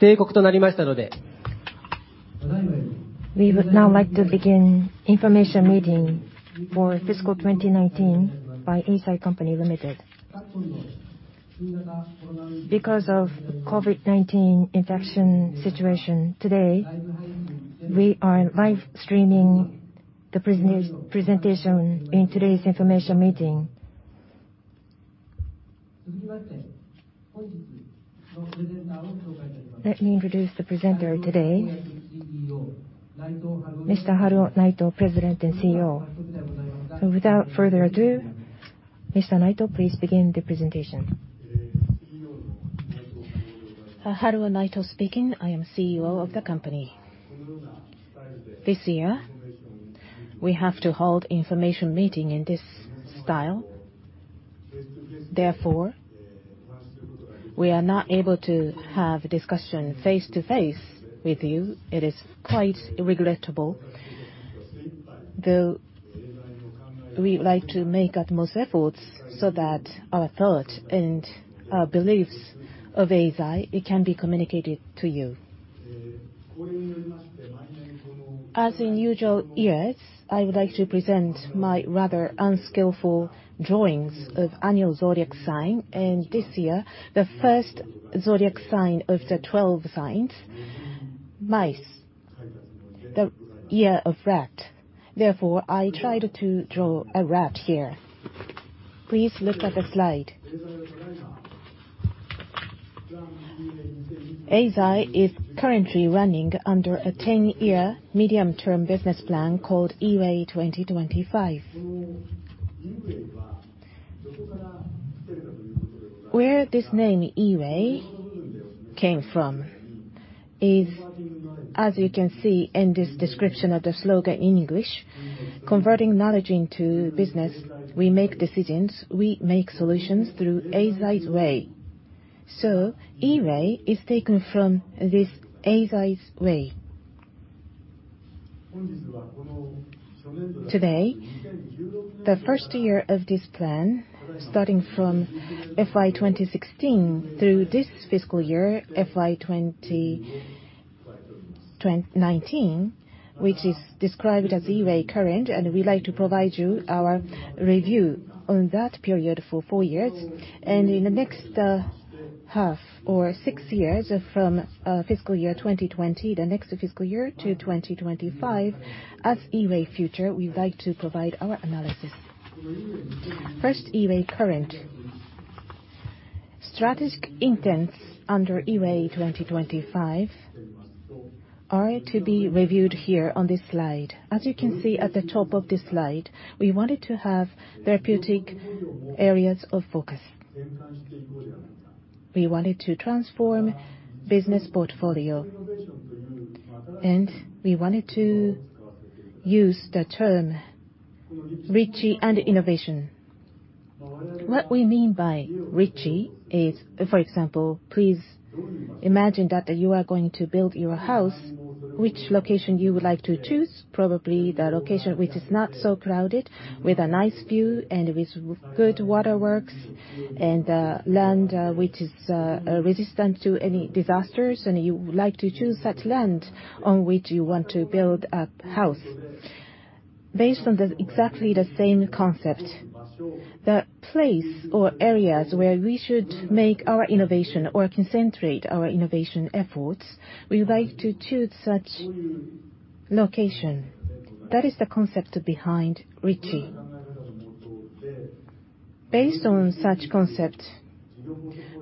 We would now like to begin information meeting for fiscal 2019 by Eisai Co., Ltd. Because of COVID-19 infection situation today, we are live streaming the presentation in today's information meeting. Let me introduce the presenter today, Mr. Haruo Naito, President and CEO. Without further ado, Mr. Naito, please begin the presentation. I am CEO of the company. This year, we have to hold information meeting in this style. We are not able to have discussion face-to-face with you. It is quite regrettable, though we like to make utmost efforts so that our thought and our beliefs of Eisai, it can be communicated to you. In usual years, I would like to present my rather unskillful drawings of annual zodiac sign, and this year, the first zodiac sign of the 12 signs, mice, the year of rat. I tried to draw a rat here. Please look at the slide. Eisai is currently running under a 10-year medium term business plan called EWAY 2025. Where this name EWAY came from is, as you can see in this description of the slogan in English, "Converting knowledge into business, we make decisions, we make solutions through Eisai's way." EWAY is taken from this Eisai's way. Today, the first year of this plan, starting from FY 2016 through this fiscal year, FY 2019, which is described as EWAY Current, and we'd like to provide you our review on that period for four years. In the next half or six years from fiscal year 2020, the next fiscal year to 2025 as EWAY Future, we'd like to provide our analysis. First, EWAY Current. Strategic intents under EWAY 2025 are to be reviewed here on this slide. As you can see at the top of this slide, we wanted to have therapeutic areas of focus. We wanted to transform business portfolio, and we wanted to use the term richie and innovation. What we mean by richie is, for example, please imagine that you are going to build your house, which location you would like to choose? Probably the location which is not so crowded, with a nice view, and with good water works, and land which is resistant to any disasters, and you would like to choose such land on which you want to build a house. Based on exactly the same concept, the place or areas where we should make our innovation or concentrate our innovation efforts, we would like to choose such location. That is the concept behind richie. Based on such concept,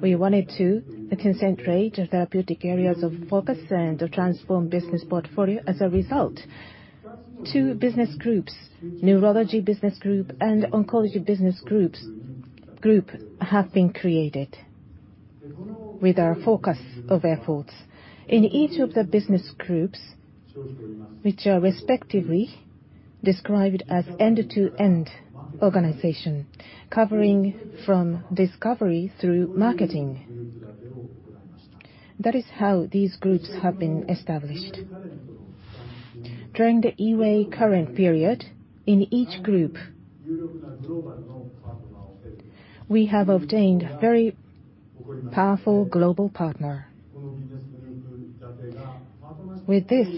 we wanted to concentrate therapeutic areas of focus and transform business portfolio. As a result, two business groups, Neurology Business Group and Oncology Business Group, have been created with our focus of efforts. In each of the business groups, which are respectively described as end-to-end organization, covering from discovery through marketing. That is how these groups have been established. During the EWAY Current period, in each group, we have obtained very powerful global partner. With this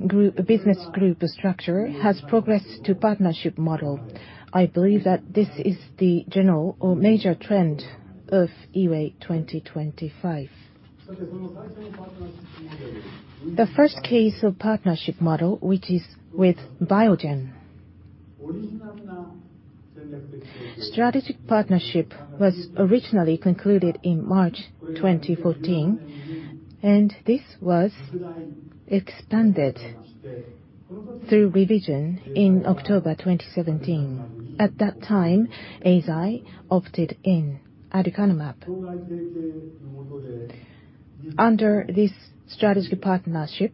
business group structure has progressed to partnership model. I believe that this is the general or major trend of EWAY 2025. The first case of partnership model, which is with Biogen. Strategic partnership was originally concluded in March 2014. This was expanded through revision in October 2017. At that time, Eisai opted in aducanumab. Under this strategic partnership,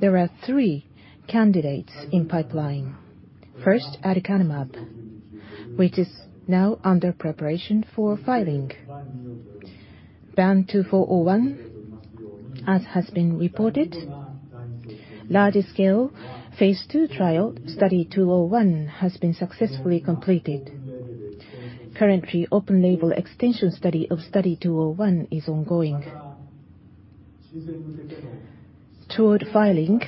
there are three candidates in pipeline. First, aducanumab, which is now under preparation for filing. BAN2401, as has been reported. Large-scale phase II trial, Study 201, has been successfully completed. Currently, open-label extension study of Study 201 is ongoing. Toward filing,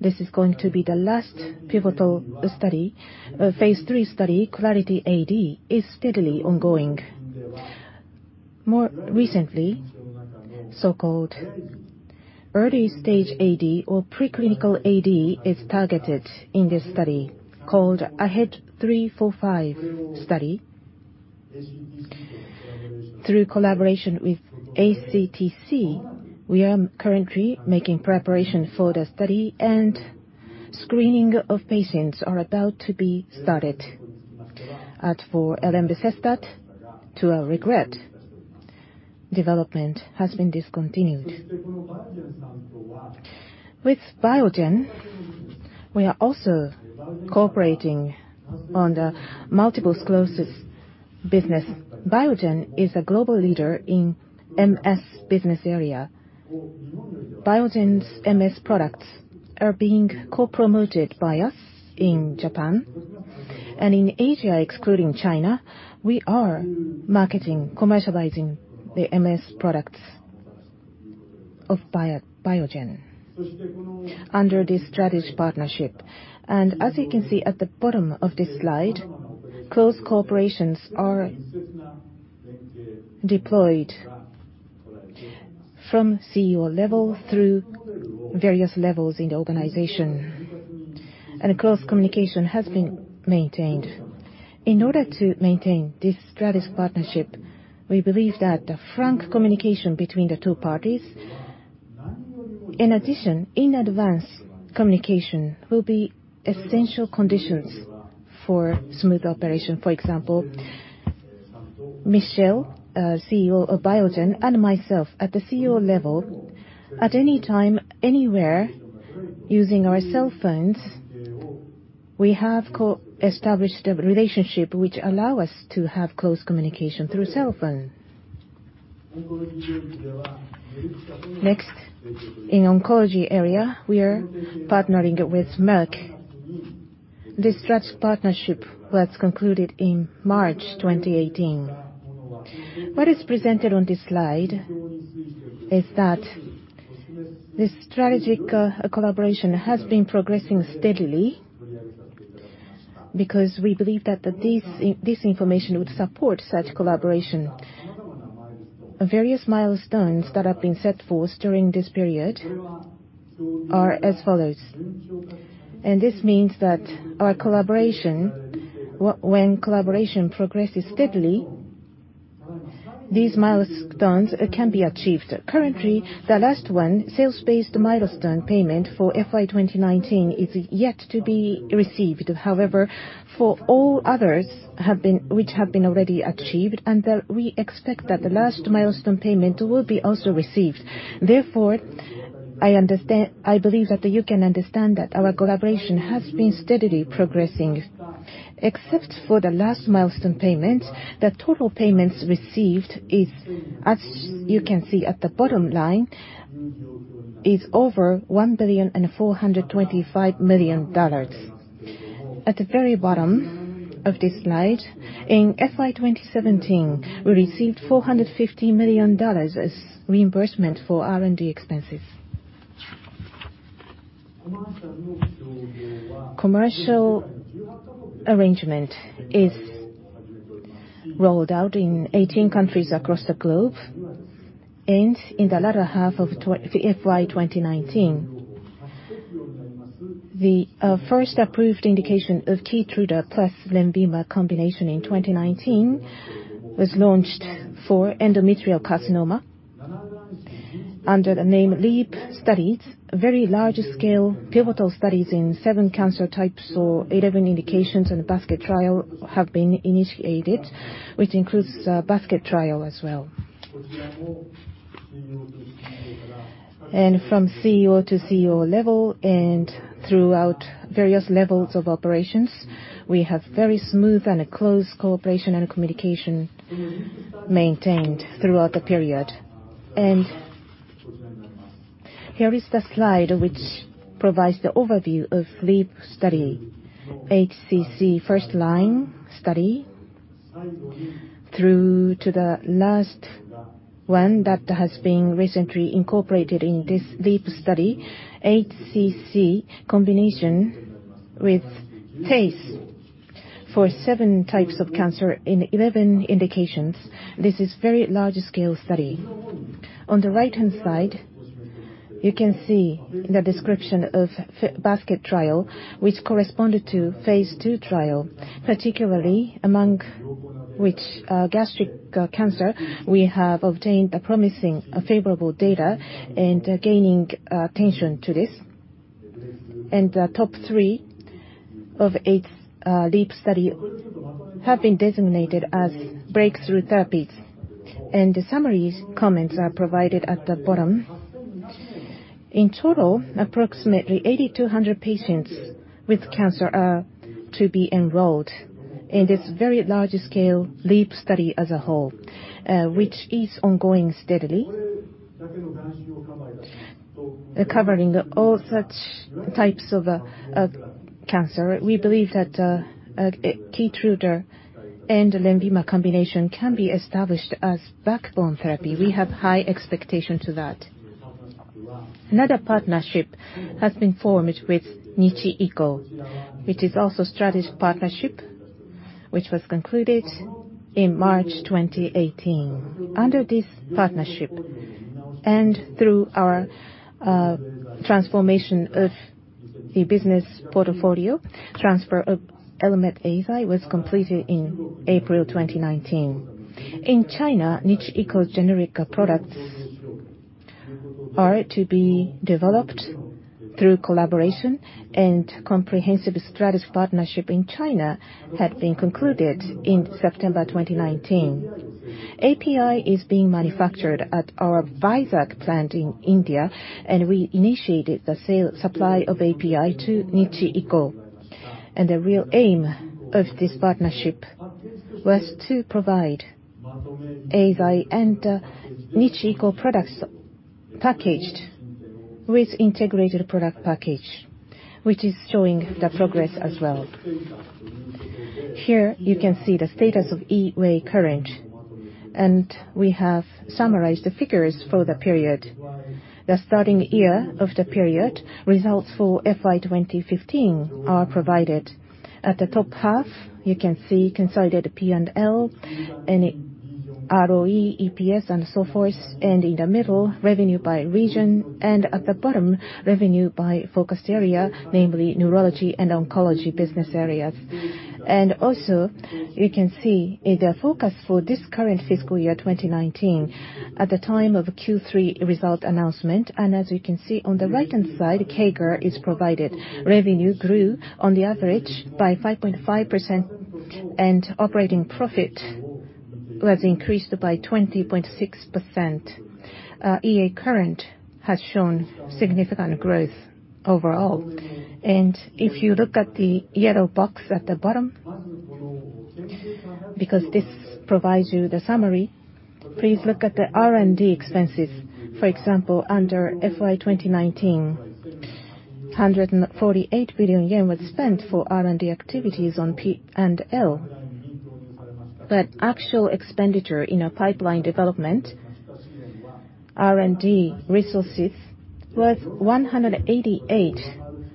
this is going to be the last pivotal study, a phase III study, Clarity AD, is steadily ongoing. More recently, so-called early-stage AD or preclinical AD is targeted in this study, called AHEAD 3-45 study. Through collaboration with ACTC, we are currently making preparation for the study, and screening of patients are about to be started. As for elenbecestat, to our regret, development has been discontinued. With Biogen, we are also cooperating on the multiple sclerosis business. Biogen is a global leader in MS business area. Biogen's MS products are being co-promoted by us in Japan, and in Asia, excluding China, we are marketing, commercializing the MS products of Biogen under this strategic partnership. As you can see at the bottom of this slide, close cooperations are deployed from CEO level through various levels in the organization. Close communication has been maintained. In order to maintain this strategic partnership, we believe that the frank communication between the two parties, in addition, in advance communication, will be essential conditions for smooth operation. For example, Michel, CEO of Biogen, and myself at the CEO level, at any time, anywhere, using our cell phones, we have established a relationship which allow us to have close communication through cell phone. Next, in oncology area, we are partnering up with Merck. This strategic partnership was concluded in March 2018. What is presented on this slide is that the strategic collaboration has been progressing steadily because we believe that this information would support such collaboration. Various milestones that have been set forth during this period are as follows. This means that our collaboration, when collaboration progresses steadily, these milestones can be achieved. Currently, the last one, sales-based milestone payment for FY 2019, is yet to be received. However, for all others which have been already achieved, we expect that the last milestone payment will be also received. I believe that you can understand that our collaboration has been steadily progressing. Except for the last milestone payment, the total payments received is, as you can see at the bottom line, is over $1 billion and $425 million. At the very bottom of this slide, in FY 2017, we received $450 million as reimbursement for R&D expenses. Commercial arrangement is rolled out in 18 countries across the globe, and in the latter half of FY 2019. The first approved indication of KEYTRUDA plus LENVIMA combination in 2019 was launched for endometrial carcinoma under the name LEAP studies. A very large scale pivotal studies in seven cancer types or 11 indications in the basket trial have been initiated, which includes a basket trial as well. From CEO to CEO level and throughout various levels of operations, we have very smooth and close cooperation and communication maintained throughout the period. Here is the slide which provides the overview of LEAP study, HCC first line study, through to the last one that has been recently incorporated in this LEAP study, HCC combination with TACE for seven types of cancer in 11 indications. This is very large-scale study. On the right-hand side, you can see the description of basket trial, which corresponded to phase II trial, particularly among which gastric cancer, we have obtained a promising favorable data and gaining attention to this. The top three of its LEAP study have been designated as Breakthrough Therapies, and the summaries comments are provided at the bottom. In total, approximately 8,200 patients with cancer are to be enrolled in this very large scale LEAP study as whole, which is ongoing steadily, covering all such types of cancer. We believe that KEYTRUDA and LENVIMA combination can be established as backbone therapy. We have high expectation to that. Another partnership has been formed with Nichi-Iko, which is also strategic partnership, which was concluded in March 2018. Under this partnership, through our transformation of the business portfolio, transfer of [Element AI] was completed in April 2019. In China, Nichi-Iko's generic products are to be developed through collaboration. Comprehensive strategic partnership in China had been concluded in September 2019. API is being manufactured at our Vizag plant in India. We initiated the supply of API to Nichi-Iko. The real aim of this partnership was to provide Eisai and Nichi-Iko products packaged with integrated product package, which is showing the progress as well. Here, you can see the status of EWAY Current. We have summarized the figures for the period. The starting year of the period, results for FY 2015 are provided. At the top half, you can see consolidated P&L and ROE, EPS and so forth. In the middle, revenue by region. At the bottom, revenue by focused area, namely neurology and oncology business areas. You can see the forecast for this current fiscal year 2019 at the time of Q3 result announcement. As you can see on the right-hand side, CAGR is provided. Revenue grew on the average by 5.5%, and operating profit was increased by 20.6%. EWAY Current has shown significant growth overall. If you look at the yellow box at the bottom, because this provides you the summary, please look at the R&D expenses. For example, under FY 2019, 148 billion yen was spent for R&D activities on P&L. Actual expenditure in a pipeline development, R&D resources, was 188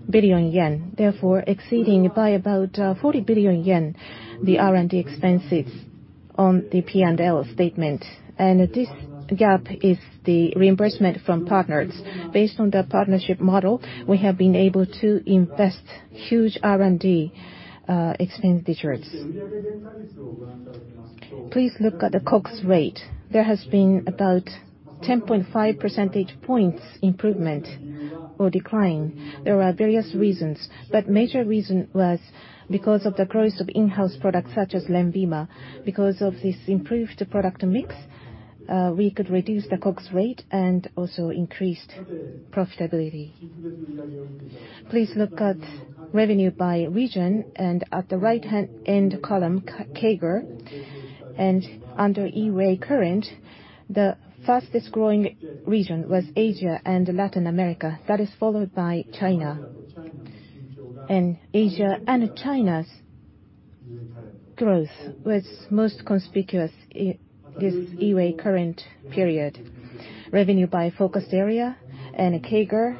billion yen. Therefore, exceeding by about 40 billion yen, the R&D expenses on the P&L statement. This gap is the reimbursement from partners. Based on the partnership model, we have been able to invest huge R&D expenditures. Please look at the COGS rate. There has been about 10.5 percentage points improvement or decline. There are various reasons, major reason was because of the growth of in-house products such as LENVIMA. Because of this improved product mix, we could reduce the COGS rate and also increased profitability. Please look at revenue by region, at the right-hand end column, CAGR. Under EWAY Current, the fastest growing region was Asia and Latin America. That is followed by China. Asia and China's growth was most conspicuous in this EWAY Current period. Revenue by focused area and CAGR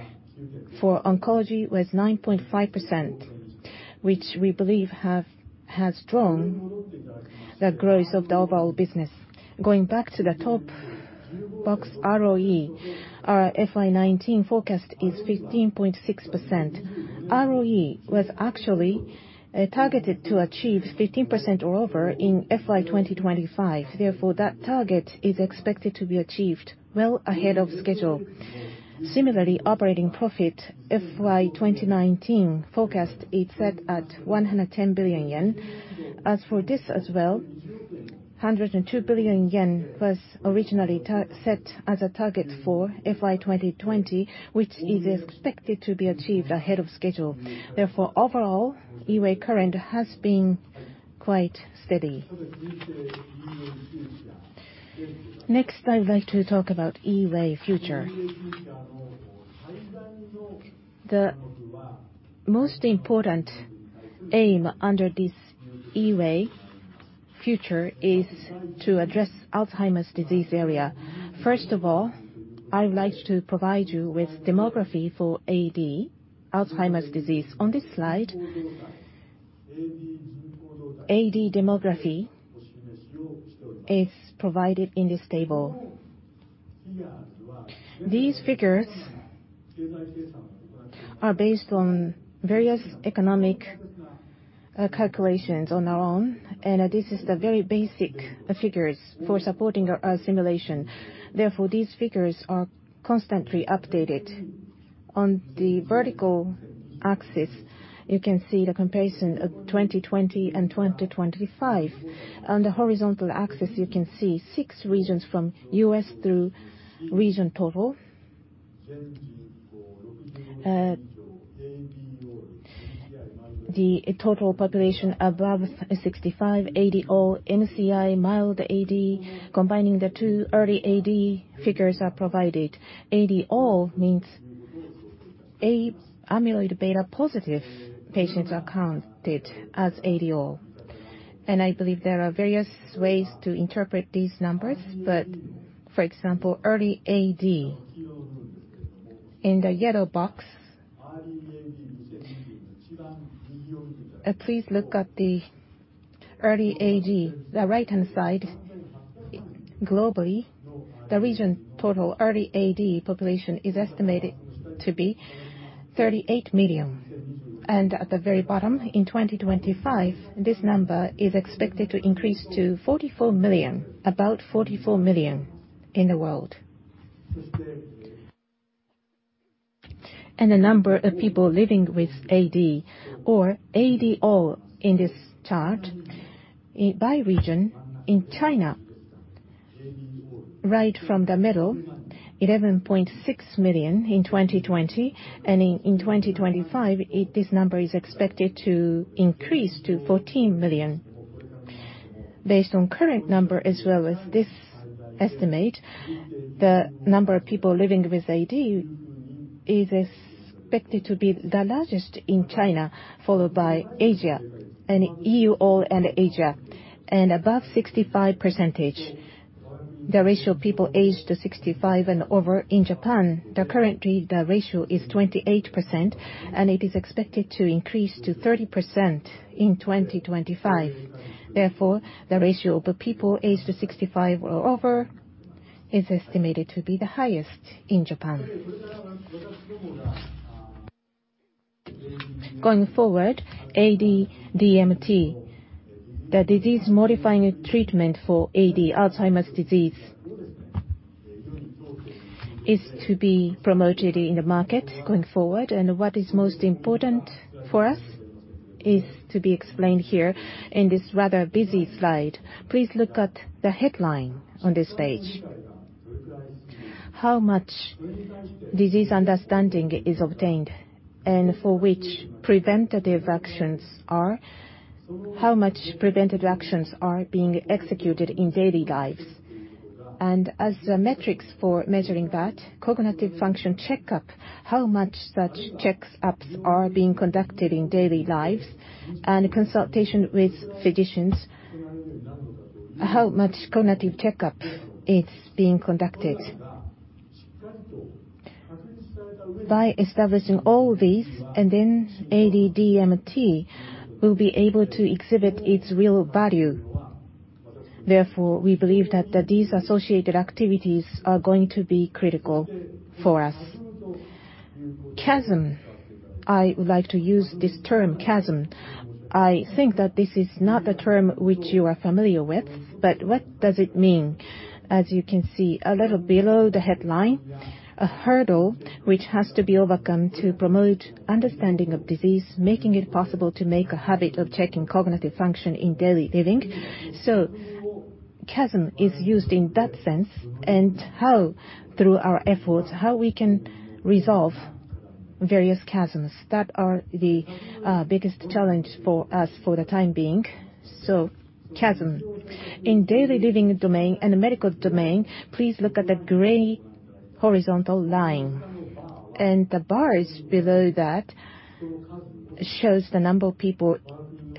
for oncology was 9.5%, which we believe has drawn the growth of the overall business. Going back to the top box, ROE. Our FY 2019 forecast is 15.6%. ROE was actually targeted to achieve 15% or over in FY 2025. Therefore, that target is expected to be achieved well ahead of schedule. Similarly, operating profit FY 2019 forecast is set at 110 billion yen. As for this as well, 102 billion yen was originally set as a target for FY 2020, which is expected to be achieved ahead of schedule. Overall, EWAY Current has been quite steady. I would like to talk about EWAY Future. The most important aim under this EWAY Future is to address Alzheimer's disease area. I would like to provide you with demography for AD, Alzheimer's disease. On this slide, AD demography is provided in this table. These figures are based on various economic calculations on our own, this is the very basic figures for supporting our simulation. These figures are constantly updated. On the vertical axis, you can see the comparison of 2020 and 2025. On the horizontal axis, you can see six regions from U.S. through region total. The total population above 65, AD-ALL, MCI, mild AD, combining the two early AD figures are provided. AD-ALL means amyloid-β-positive patients are counted as AD-ALL. I believe there are various ways to interpret these numbers. For example, early AD. In the yellow box, please look at the early AD, the right-hand side. Globally, the region total early AD population is estimated to be 38 million. At the very bottom, in 2025, this number is expected to increase to 44 million, about 44 million in the world. The number of people living with AD or AD-ALL in this chart by region. In China, right from the middle, 11.6 million in 2020, and in 2025, this number is expected to increase to 14 million. Based on current number as well as this estimate, the number of people living with AD is expected to be the largest in China, followed by Asia, EU, ALL, and Asia. Above 65%, the ratio of people aged 65 and over. In Japan, currently, the ratio is 28%, and it is expected to increase to 30% in 2025. Therefore, the ratio of people aged 65 or over is estimated to be the highest in Japan. Going forward, AD-DMT, the disease-modifying treatment for AD, Alzheimer's disease, is to be promoted in the market going forward. What is most important for us is to be explained here in this rather busy slide. Please look at the headline on this page. How much disease understanding is obtained, for which how much preventative actions are being executed in daily lives. As the metrics for measuring that, cognitive function checkup, how much such checkups are being conducted in daily lives. Consultation with physicians, how much cognitive checkup is being conducted. By establishing all these, AD-DMT will be able to exhibit its real value. We believe that these associated activities are going to be critical for us. Chasm. I would like to use this term, chasm. I think that this is not a term which you are familiar with, what does it mean? As you can see, a little below the headline, a hurdle which has to be overcome to promote understanding of disease, making it possible to make a habit of checking cognitive function in daily living. Chasm is used in that sense, and how through our efforts, how we can resolve various chasms that are the biggest challenge for us for the time being. Chasm. In daily living domain and medical domain, please look at the gray horizontal line. The bars below that shows the number of people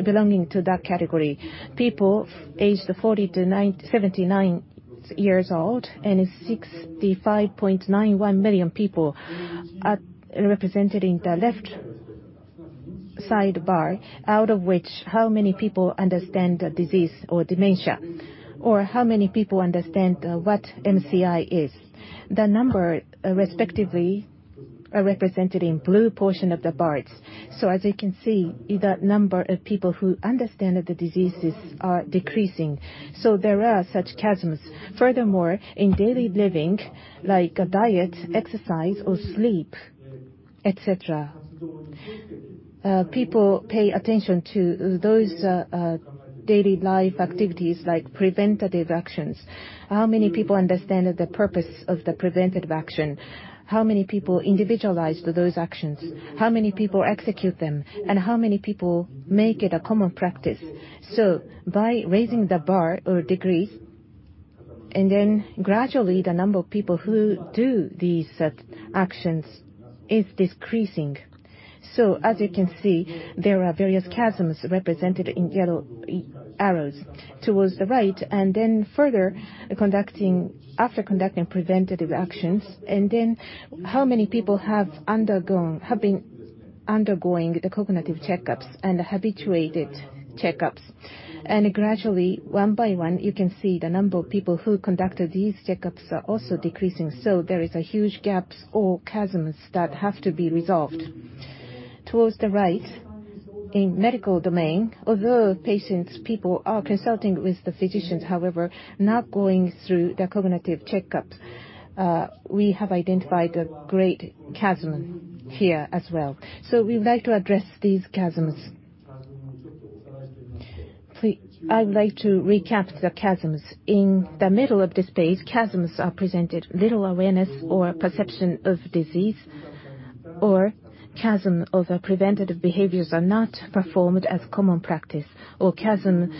belonging to that category. People aged 40 to 79 years old, and 65.91 million people are represented in the left-side bar, out of which, how many people understand the disease or dementia? How many people understand what MCI is? The number respectively are represented in blue portion of the bars. As you can see, the number of people who understand that the diseases are decreasing. There are such chasms. Furthermore, in daily living, like diet, exercise, or sleep, et cetera, people pay attention to those daily life activities like preventative actions. How many people understand the purpose of the preventative action? How many people individualize those actions? How many people execute them? How many people make it a common practice? By raising the bar or degree, and then gradually the number of people who do these actions is decreasing. As you can see, there are various chasms represented in yellow arrows towards the right. Further, after conducting preventative actions, and then how many people have been undergoing the cognitive checkups and habituated checkups? Gradually, one by one, you can see the number of people who conducted these checkups are also decreasing. There is a huge gaps or chasms that have to be resolved. Towards the right, in medical domain, although patients, people are consulting with the physicians, however, not going through the cognitive checkups. We have identified a great chasm here as well. We would like to address these chasms. I'd like to recap the chasms. In the middle of this page, chasms are presented, little awareness or perception of disease, or chasm of preventative behaviors are not performed as common practice, or chasm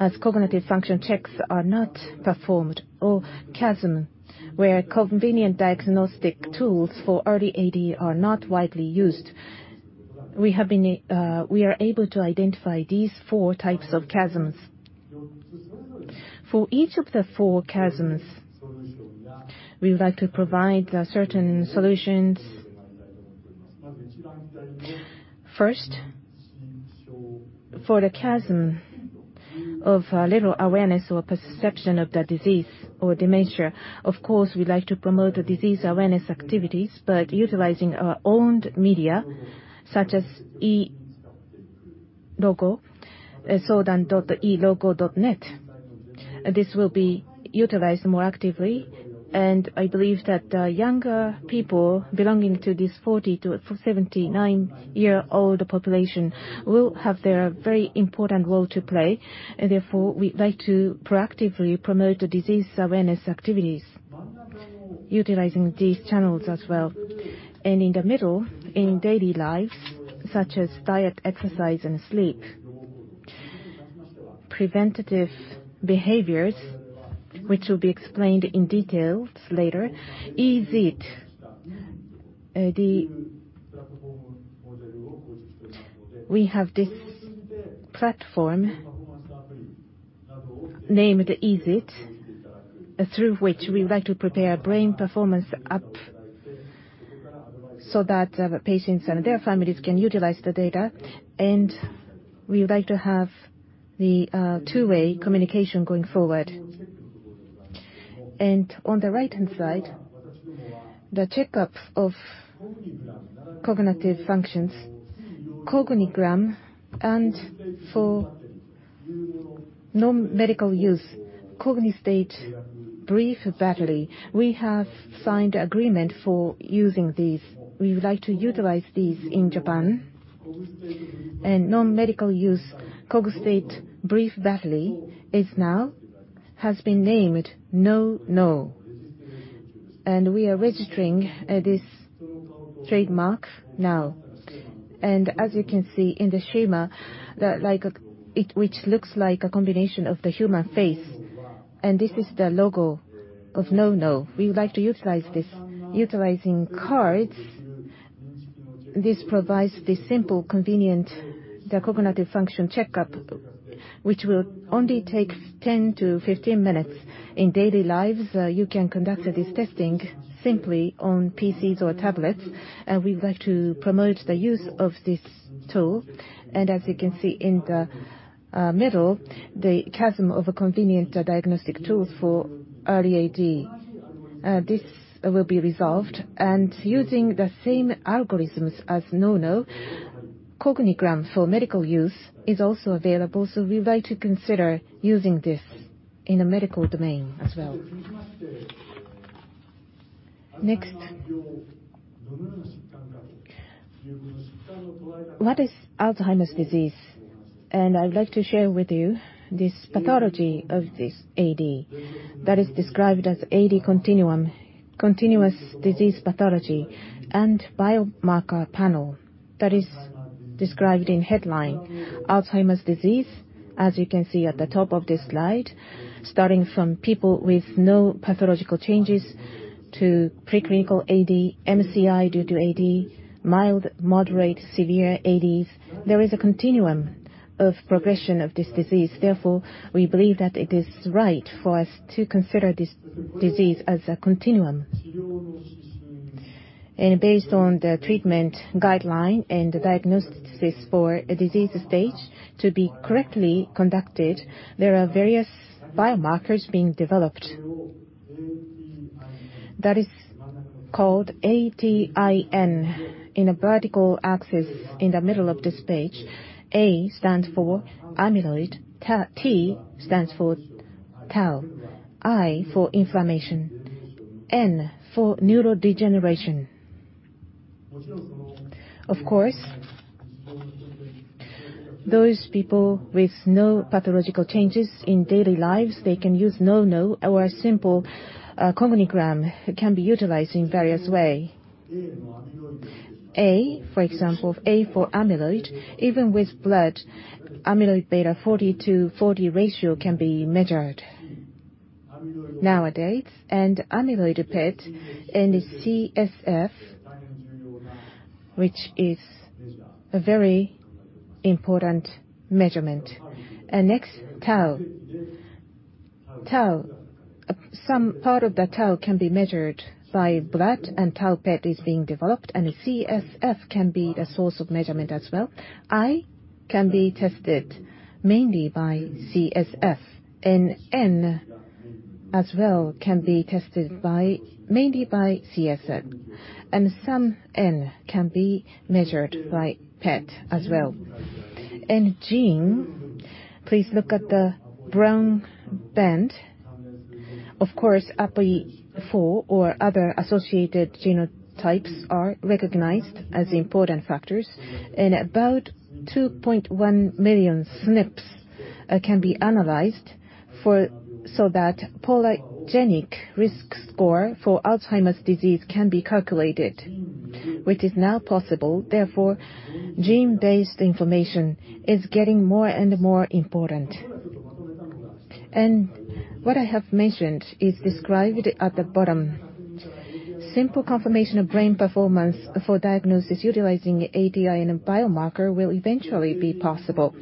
as cognitive function checks are not performed, or chasm where convenient diagnostic tools for early AD are not widely used. We are able to identify these four types of chasms. For each of the four chasms, we would like to provide certain solutions. First, for the chasm of little awareness or perception of the disease or dementia, of course, we'd like to promote the disease awareness activities, but utilizing our own media, such as e-65, sodan.e-65.net. This will be utilized more actively, and I believe that younger people belonging to this 40 to 79-year-old population will have their very important role to play. Therefore, we'd like to proactively promote the disease awareness activities utilizing these channels as well. In the middle, in daily lives, such as diet, exercise, and sleep. Preventive behaviors, which will be explained in details later. Easiit, we have this platform named Easiit, through which we'd like to prepare brain performance app so that patients and their families can utilize the data, and we would like to have the two-way communication going forward. On the right-hand side, the checkups of cognitive functions, Cognigram, and for nonmedical use, Cogstate Brief Battery. We have signed an agreement for using these. We would like to utilize these in Japan. Nonmedical use, Cogstate Brief Battery, has been named NouKNOW. We are registering this trademark now. As you can see in the schema, which looks like a combination of the human face, and this is the logo of NouKNOW. We would like to utilize this utilizing cards. This provides the simple, convenient cognitive function checkup, which will only take 10 to 15 minutes. In daily lives, you can conduct this testing simply on PCs or tablets, and we would like to promote the use of this tool. As you can see in the middle, the chasm of a convenient diagnostic tool for early AD. This will be resolved, and using the same algorithms as NouKNOW, Cognigram for medical use is also available. We would like to consider using this in a medical domain as well. Next. What is Alzheimer's disease? I'd like to share with you this pathology of this AD that is described as AD continuum, continuous disease pathology, and biomarker panel that is described in headline Alzheimer's disease. As you can see at the top of this slide, starting from people with no pathological changes to preclinical AD, MCI due to AD, mild, moderate, severe ADs. There is a continuum of progression of this disease. Therefore, we believe that it is right for us to consider this disease as a continuum. Based on the treatment guideline and the diagnosis for a disease stage to be correctly conducted, there are various biomarkers being developed. That is called ATIN in a vertical axis in the middle of this page. A stands for amyloid, T stands for tau, I for inflammation, N for neurodegeneration. Of course, those people with no pathological changes in daily lives, they can use NouKNOW or a simple Cognigram can be utilized in various way. A, for example, A for amyloid, even with blood, amyloid β 42-40 ratio can be measured nowadays. Amyloid PET and CSF, which is a very important measurement. Next, tau. Some part of the tau can be measured by blood, and tau PET is being developed, and CSF can be the source of measurement as well. A can be tested mainly by CSF. N as well can be tested mainly by CSF. Some N can be measured by PET as well. Gene, please look at the brown band. Of course, ApoE4 or other associated genotypes are recognized as important factors. About 2.1 million SNPs can be analyzed so that polygenic risk score for Alzheimer's disease can be calculated, which is now possible. Therefore, gene-based information is getting more and more important. What I have mentioned is described at the bottom. Simple confirmation of brain performance for diagnosis utilizing ATN in a biomarker will eventually be possible.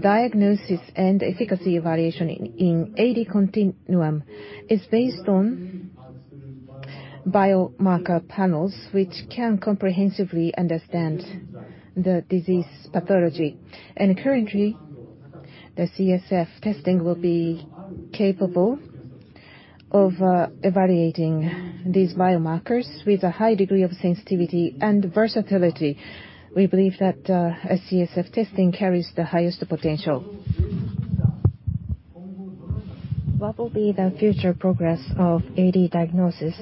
Diagnosis and efficacy evaluation in AD continuum is based on biomarker panels, which can comprehensively understand the disease pathology. Currently, the CSF testing will be capable of evaluating these biomarkers with a high degree of sensitivity and versatility. We believe that a CSF testing carries the highest potential. What will be the future progress of AD diagnosis?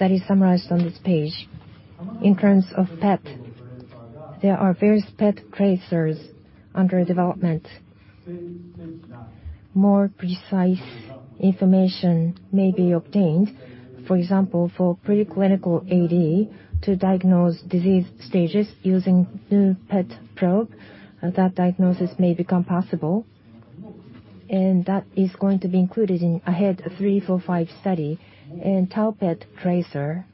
That is summarized on this page. In terms of PET, there are various PET tracers under development. More precise information may be obtained. For example, for preclinical AD, to diagnose disease stages using new PET probe, that diagnosis may become possible, and that is going to be included in AHEAD 3-45 study. Tau PET tracer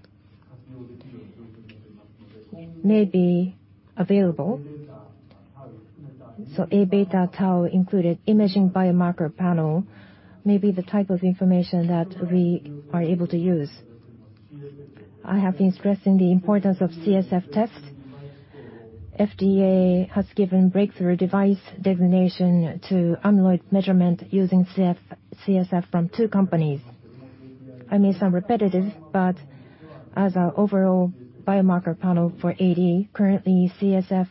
may be available. Aβ-tau included imaging biomarker panel may be the type of information that we are able to use. I have been stressing the importance of CSF test. FDA has given Breakthrough Device Designation to amyloid measurement using CSF from two companies. I may sound repetitive, as an overall biomarker panel for AD, currently CSF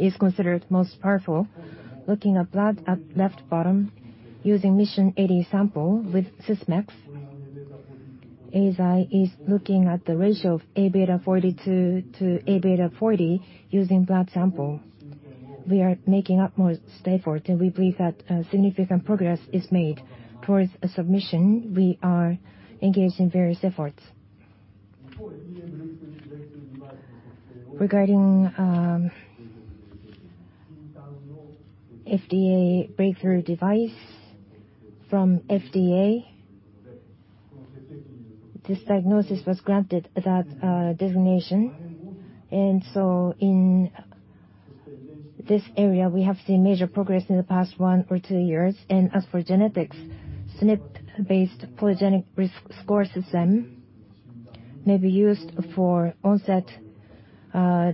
is considered most powerful. Looking at blood at left bottom, using MISSION AD sample with Sysmex, Eisai is looking at the ratio of Aβ42 to Aβ40 using blood sample. We are making utmost effort, we believe that significant progress is made towards submission. We are engaged in various efforts. Regarding FDA Breakthrough Device Designation from FDA, this diagnosis was granted that designation. In this area, we have seen major progress in the past one or two years. As for genetics, SNP-based polygenic risk score system may be used for onset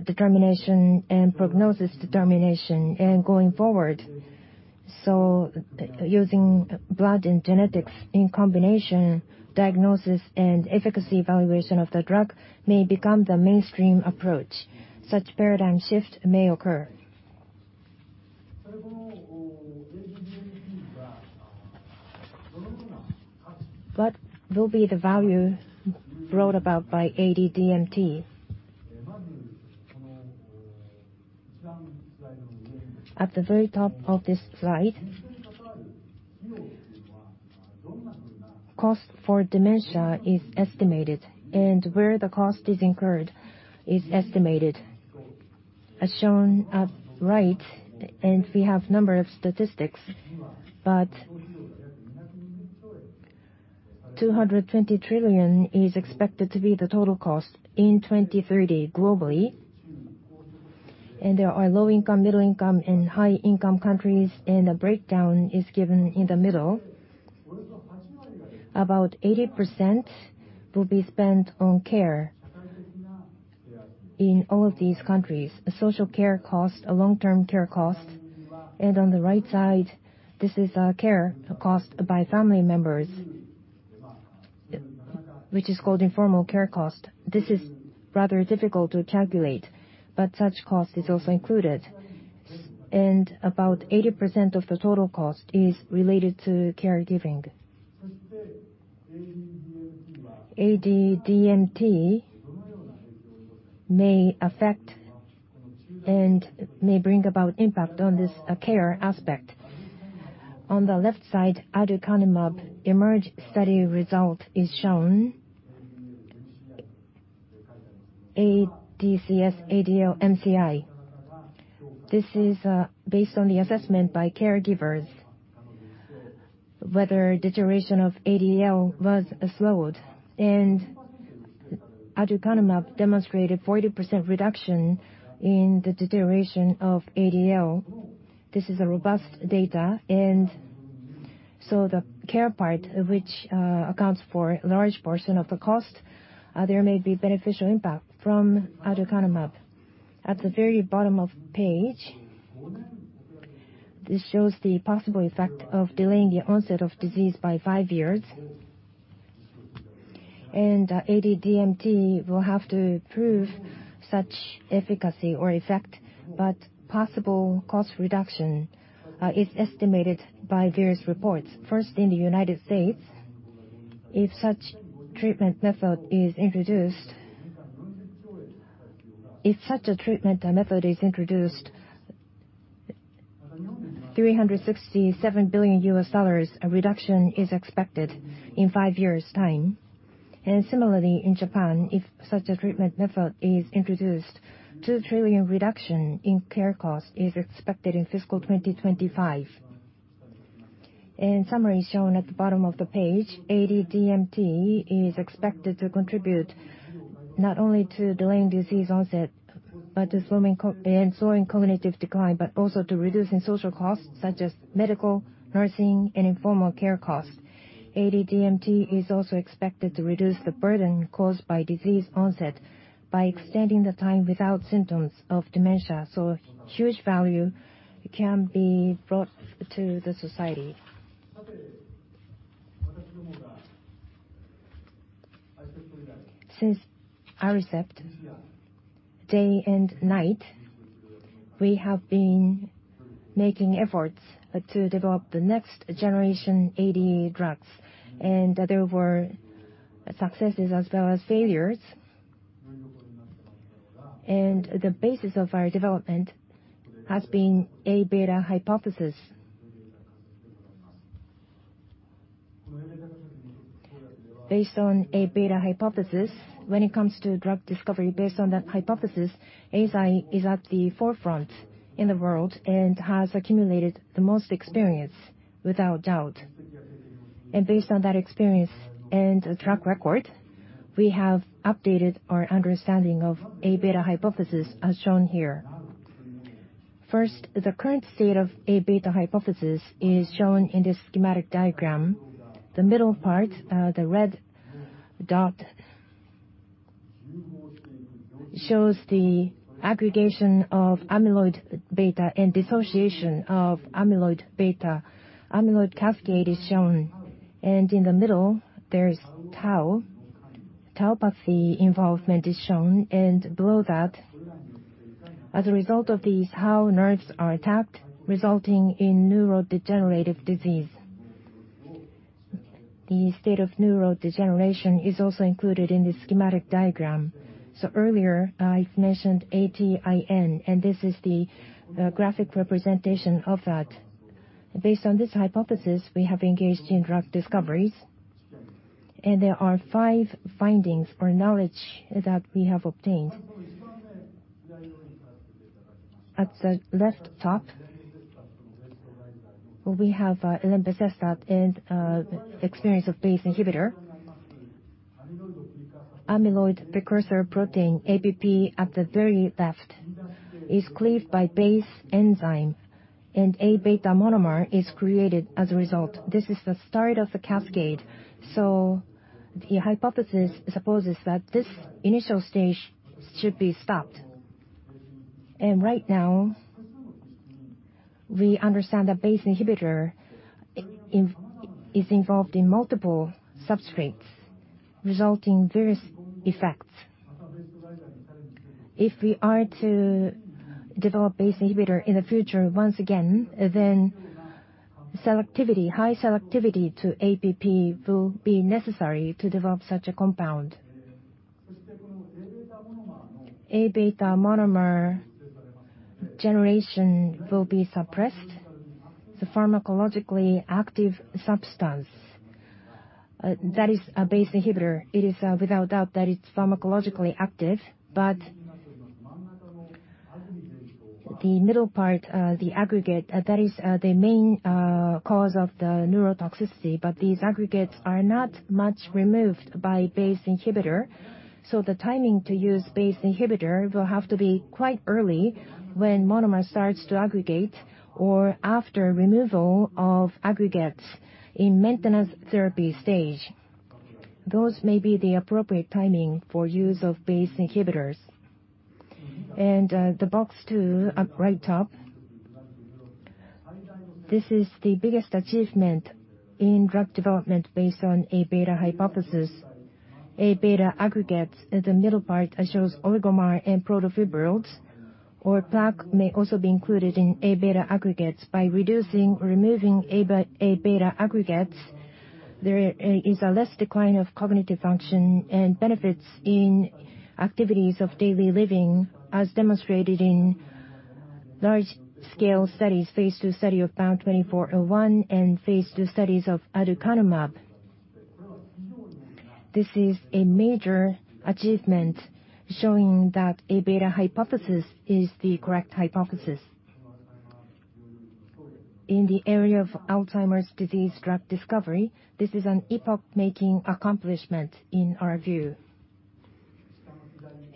determination and prognosis determination. Going forward, using blood and genetics in combination, diagnosis and efficacy evaluation of the drug may become the mainstream approach. Such paradigm shift may occur. What will be the value brought about by AD-DMT? At the very top of this slide, cost for dementia is estimated, and where the cost is incurred is estimated. As shown at right, we have number of statistics, but 220 trillion is expected to be the total cost in 2030 globally. There are low-income, middle-income, and high-income countries, and a breakdown is given in the middle. About 80% will be spent on care in all of these countries, social care cost, long-term care cost. On the right side, this is care cost by family members, which is called informal care cost. This is rather difficult to calculate, but such cost is also included. About 80% of the total cost is related to caregiving. AD-DMT may affect and may bring about impact on this care aspect. On the left side, aducanumab EMERGE study result is shown. ADCS ADL-MCI. This is based on the assessment by caregivers, whether deterioration of ADL was slowed. Aducanumab demonstrated 40% reduction in the deterioration of ADL. This is a robust data. The care part, which accounts for a large portion of the cost, there may be beneficial impact from aducanumab. At the very bottom of page, this shows the possible effect of delaying the onset of disease by five years. AD-DMT will have to prove such efficacy or effect, but possible cost reduction is estimated by various reports. First, in the U.S., if such a treatment method is introduced, $367 billion reduction is expected in five years' time. Similarly, in Japan, if such a treatment method is introduced, 2 trillion reduction in care costs is expected in fiscal 2025. In summary, shown at the bottom of the page, AD-DMT is expected to contribute not only to delaying disease onset and slowing cognitive decline, but also to reducing social costs such as medical, nursing, and informal care costs. AD-DMT is also expected to reduce the burden caused by disease onset by extending the time without symptoms of dementia, so huge value can be brought to the society. Since Aricept, day and night, we have been making efforts to develop the next generation AD drugs, there were successes as well as failures. The basis of our development has been Aβ hypothesis. Based on Aβ hypothesis, when it comes to drug discovery based on that hypothesis, Eisai is at the forefront in the world and has accumulated the most experience without a doubt. Based on that experience and track record, we have updated our understanding of Aβ hypothesis as shown here. First, the current state of Aβ hypothesis is shown in this schematic diagram. The middle part, the red dot, shows the aggregation of amyloid-β and dissociation of amyloid-β. Amyloid cascade is shown. In the middle, there's tau. Tauopathy involvement is shown. Below that, as a result of these tau, nerves are attacked, resulting in neurodegenerative disease. The state of neurodegeneration is also included in this schematic diagram. Earlier, I mentioned ATN, and this is the graphic representation of that. Based on this hypothesis, we have engaged in drug discoveries, and there are five findings or knowledge that we have obtained. At the left top, we have lentiviral vector and experience of BACE inhibitor. Amyloid precursor protein, APP, at the very left, is cleaved by BACE enzyme, and Aβ monomer is created as a result. This is the start of the cascade. The hypothesis supposes that this initial stage should be stopped. Right now, we understand that BACE inhibitor is involved in multiple substrates, resulting various effects. If we are to develop BACE inhibitor in the future once again, then high selectivity to APP will be necessary to develop such a compound. Aβ monomer generation will be suppressed. The pharmacologically active substance that is a BACE inhibitor, it is without doubt that it's pharmacologically active, the middle part, the aggregate, that is the main cause of the neurotoxicity. These aggregates are not much removed by BACE inhibitor, so the timing to use BACE inhibitor will have to be quite early when monomer starts to aggregate, or after removal of aggregates in maintenance therapy stage. Those may be the appropriate timing for use of BACE inhibitors. The box two at right top. This is the biggest achievement in drug development based on amyloid-β hypothesis. amyloid-β aggregates at the middle part shows oligomer and protofibrils, or plaque may also be included in amyloid-β aggregates. By reducing or removing Aβ aggregates, there is a less decline of cognitive function and benefits in activities of daily living, as demonstrated in large-scale studies, phase II study of BAN2401 and phase II studies of aducanumab. This is a major achievement showing that Aβ hypothesis is the correct hypothesis. In the area of Alzheimer's disease drug discovery, this is an epoch-making accomplishment in our view.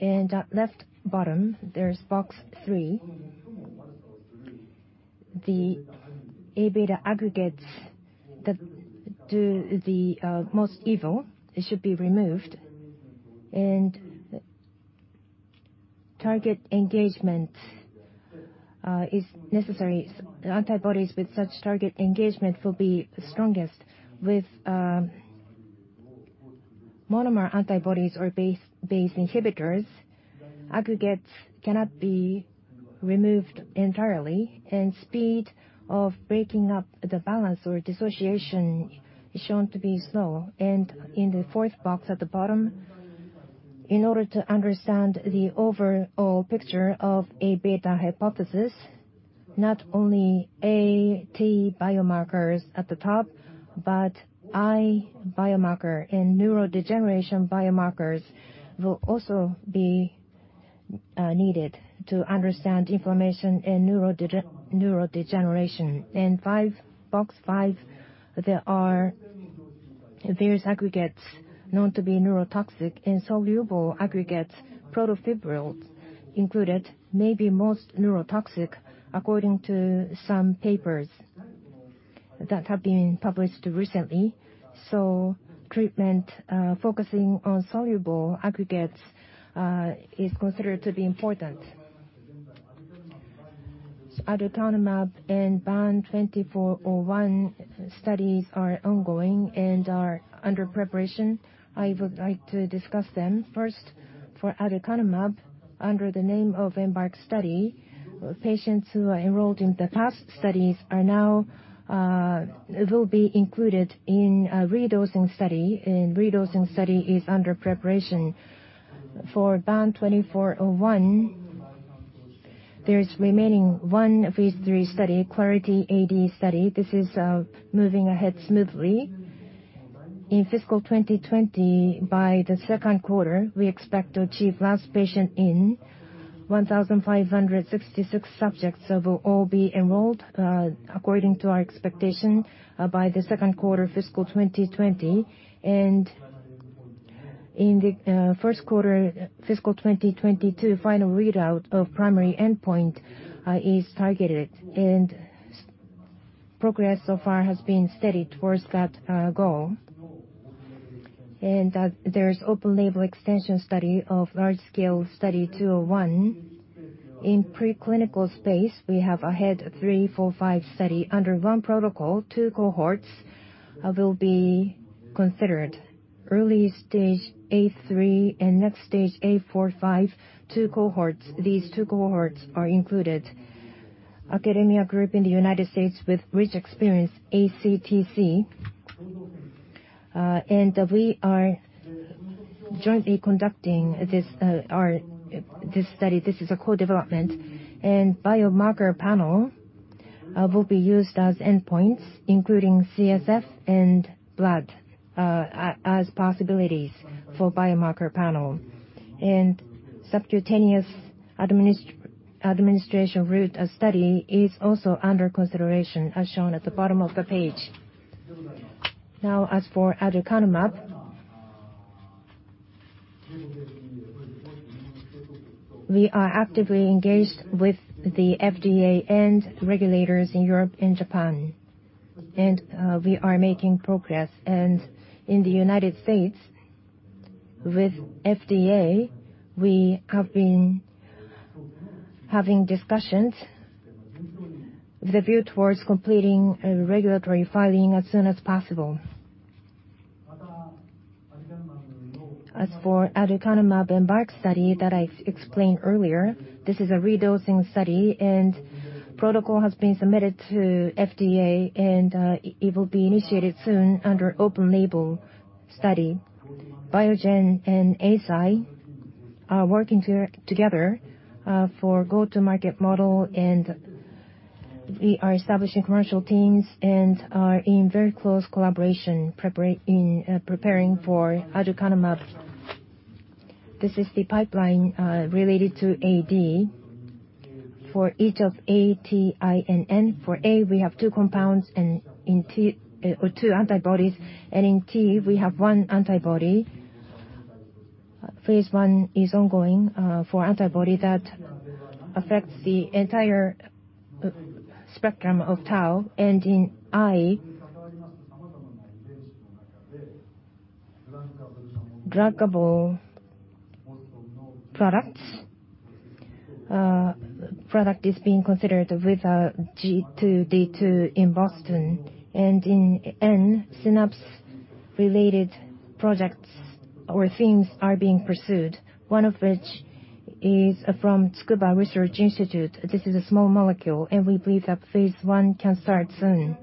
At left bottom, there's box three. The Aβ aggregates that do the most evil, it should be removed. Target engagement is necessary. Antibodies with such target engagement will be strongest. With monomer antibodies or BACE inhibitors, aggregates cannot be removed entirely, and speed of breaking up the balance or dissociation is shown to be slow. In the fourth box at the bottom, in order to understand the overall picture of amyloid-β hypothesis, not only A, T biomarkers at the top, but I biomarker and neurodegeneration biomarkers will also be needed to understand inflammation and neurodegeneration. In box five, there are various aggregates known to be neurotoxic, and soluble aggregates, protofibrils included, may be most neurotoxic according to some papers that have been published recently. Treatment focusing on soluble aggregates is considered to be important. aducanumab and BAN2401 studies are ongoing and are under preparation. I would like to discuss them. First, for aducanumab, under the name of EMBARC study, patients who are enrolled in the past studies will be included in a redosing study. Redosing study is under preparation. For BAN2401, there is remaining one phase III study, Clarity AD study. This is moving ahead smoothly. In fiscal 2020, by the second quarter, we expect to achieve last patient in. 1,566 subjects will all be enrolled according to our expectation by the second quarter fiscal 2020. In the first quarter fiscal 2022, final readout of primary endpoint is targeted, and progress so far has been steady towards that goal. There is open-label extension study of large scale Study 201. In preclinical space, we have AHEAD 3-45 study. Under one protocol, two cohorts will be considered. Early stage A3 and next stage A45, two cohorts. These two cohorts are included. Academia group in the U.S. with rich experience, ACTC. We are jointly conducting this study. This is a co-development. Biomarker panel will be used as endpoints, including CSF and blood as possibilities for biomarker panel. Subcutaneous administration route of study is also under consideration, as shown at the bottom of the page. As for aducanumab, we are actively engaged with the FDA and regulators in Europe and Japan. We are making progress. In the U.S., with FDA, we have been having discussions with a view towards completing a regulatory filing as soon as possible. As for aducanumab EMBARC study that I explained earlier, this is a redosing study, and protocol has been submitted to FDA, and it will be initiated soon under open label study. Biogen and Eisai are working together for go-to-market model, and we are establishing commercial teams and are in very close collaboration in preparing for aducanumab. This is the pipeline related to AD. For each of A, T, I and N. For A, we have two compounds or two antibodies, and in T, we have one antibody. phase I is ongoing for antibody that affects the entire spectrum of tau. In I, druggable product is being considered with G2D2 in Boston. In N, synapse-related projects or themes are being pursued. One of which is from Tsukuba Research Laboratories. This is a small molecule, and we believe that phase I can start soon.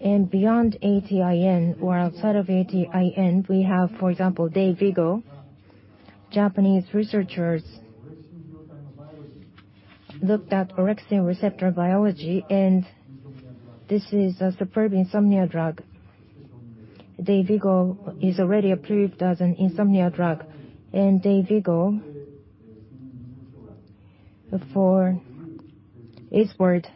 Beyond A, T, I, N, or outside of A, T, I, N, we have, for example, DAYVIGO. Japanese researchers looked at orexin receptor biology, and this is a superb insomnia drug. DAYVIGO is already approved as an insomnia drug. DAYVIGO, for ISWRD,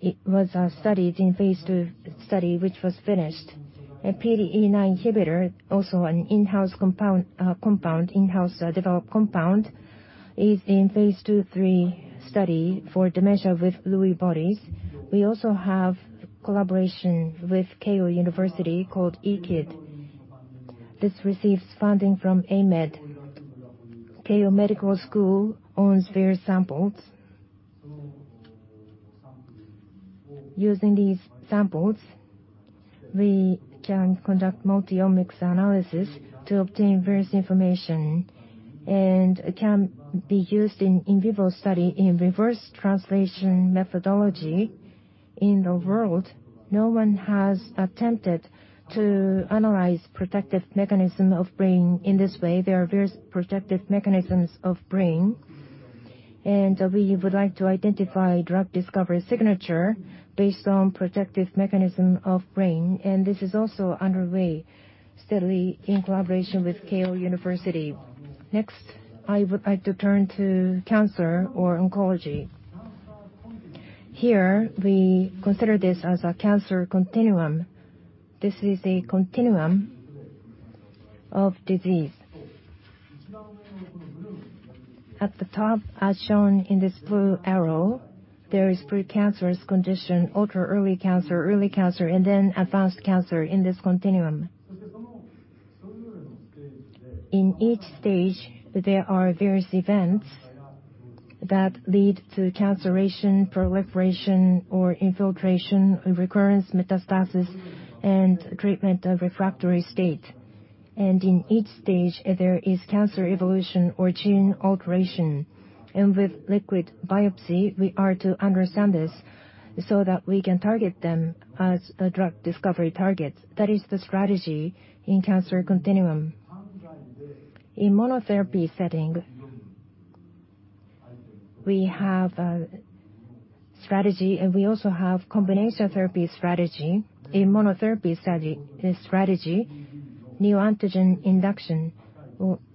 it was studied in phase II study, which was finished. A PDE9 inhibitor, also an in-house developed compound, is in phase II, III study for dementia with Lewy bodies. We also have collaboration with Keio University called e-KID. This receives funding from AMED. Keio Medical School owns various samples. Using these samples, we can conduct multi-omics analysis to obtain various information, and it can be used in in vivo study in reverse translation methodology. In the world, no one has attempted to analyze protective mechanism of brain in this way. There are various protective mechanisms of brain. We would like to identify drug discovery signature based on protective mechanism of brain. This is also underway steadily in collaboration with Keio University. Next, I would like to turn to cancer or oncology. Here, we consider this as a cancer continuum. This is a continuum of disease. At the top, as shown in this blue arrow, there is precancerous condition, ultra early cancer, early cancer, and then advanced cancer in this continuum. In each stage, there are various events that lead to canceration, proliferation or infiltration, recurrence, metastasis, and treatment of refractory state. In each stage, there is cancer evolution or gene alteration. With liquid biopsy, we are to understand this so that we can target them as a drug discovery target. That is the strategy in cancer continuum. In monotherapy setting, we have a strategy, and we also have combination therapy strategy. In monotherapy strategy, neoantigen induction.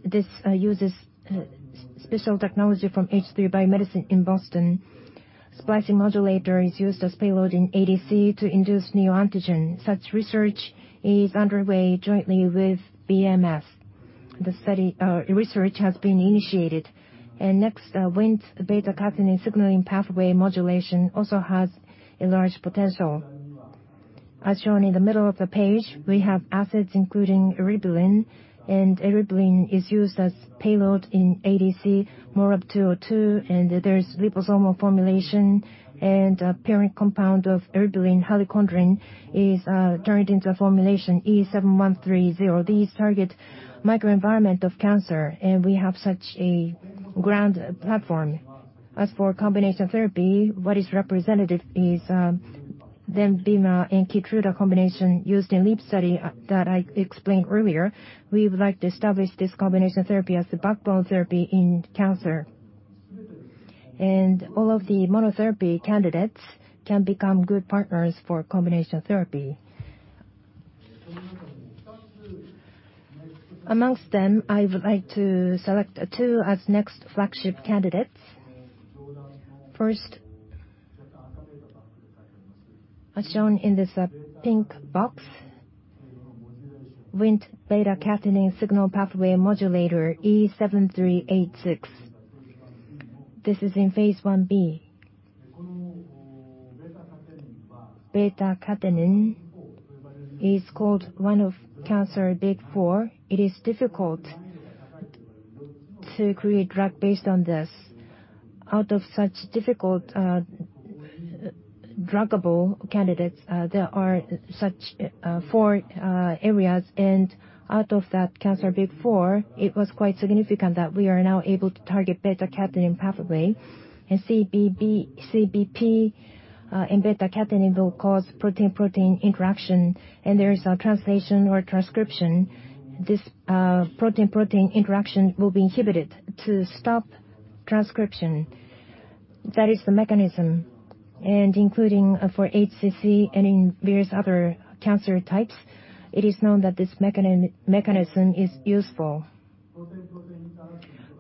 This uses special technology from H3 Biomedicine in Boston. Splicing modulator is used as payload in ADC to induce neoantigen. Such research is underway jointly with BMS. The research has been initiated. Next, Wnt/β-catenin signaling pathway modulation also has a large potential. As shown in the middle of the page, we have assets including eribulin, and eribulin is used as payload in ADC MORAb-202, and there is liposomal formulation and a parent compound of eribulin, halichondrin, is turned into a formulation E7130. These target microenvironment of cancer, and we have such a grand platform. As for combination therapy, what is representative is LENVIMA and KEYTRUDA combination used in LEAP study that I explained earlier. We would like to establish this combination therapy as the backbone therapy in cancer. All of the monotherapy candidates can become good partners for combination therapy. Amongst them, I would like to select two as next flagship candidates. First, as shown in this pink box, Wnt/β-catenin signal pathway modulator E7386. This is in phase Ib. β-catenin is called one of Cancer Big 4. It is difficult to create drug based on this. Out of such difficult druggable candidates, there are such four areas. Out of that Cancer Big 4, it was quite significant that we are now able to target β-catenin pathway. CBP and β-catenin will cause protein-protein interaction, and there is a translation or transcription. This protein-protein interaction will be inhibited to stop transcription. That is the mechanism. Including for HCC and in various other cancer types, it is known that this mechanism is useful.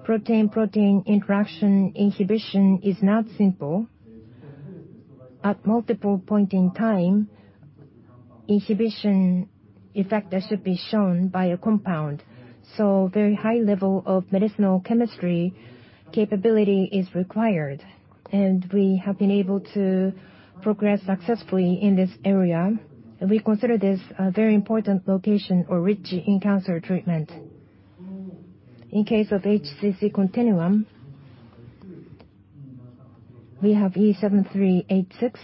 Protein-protein interaction inhibition is not simple. At multiple point in time, inhibition effect should be shown by a compound. Very high level of medicinal chemistry capability is required, and we have been able to progress successfully in this area. We consider this a very important location or niche in cancer treatment. In case of HCC continuum, we have E7386.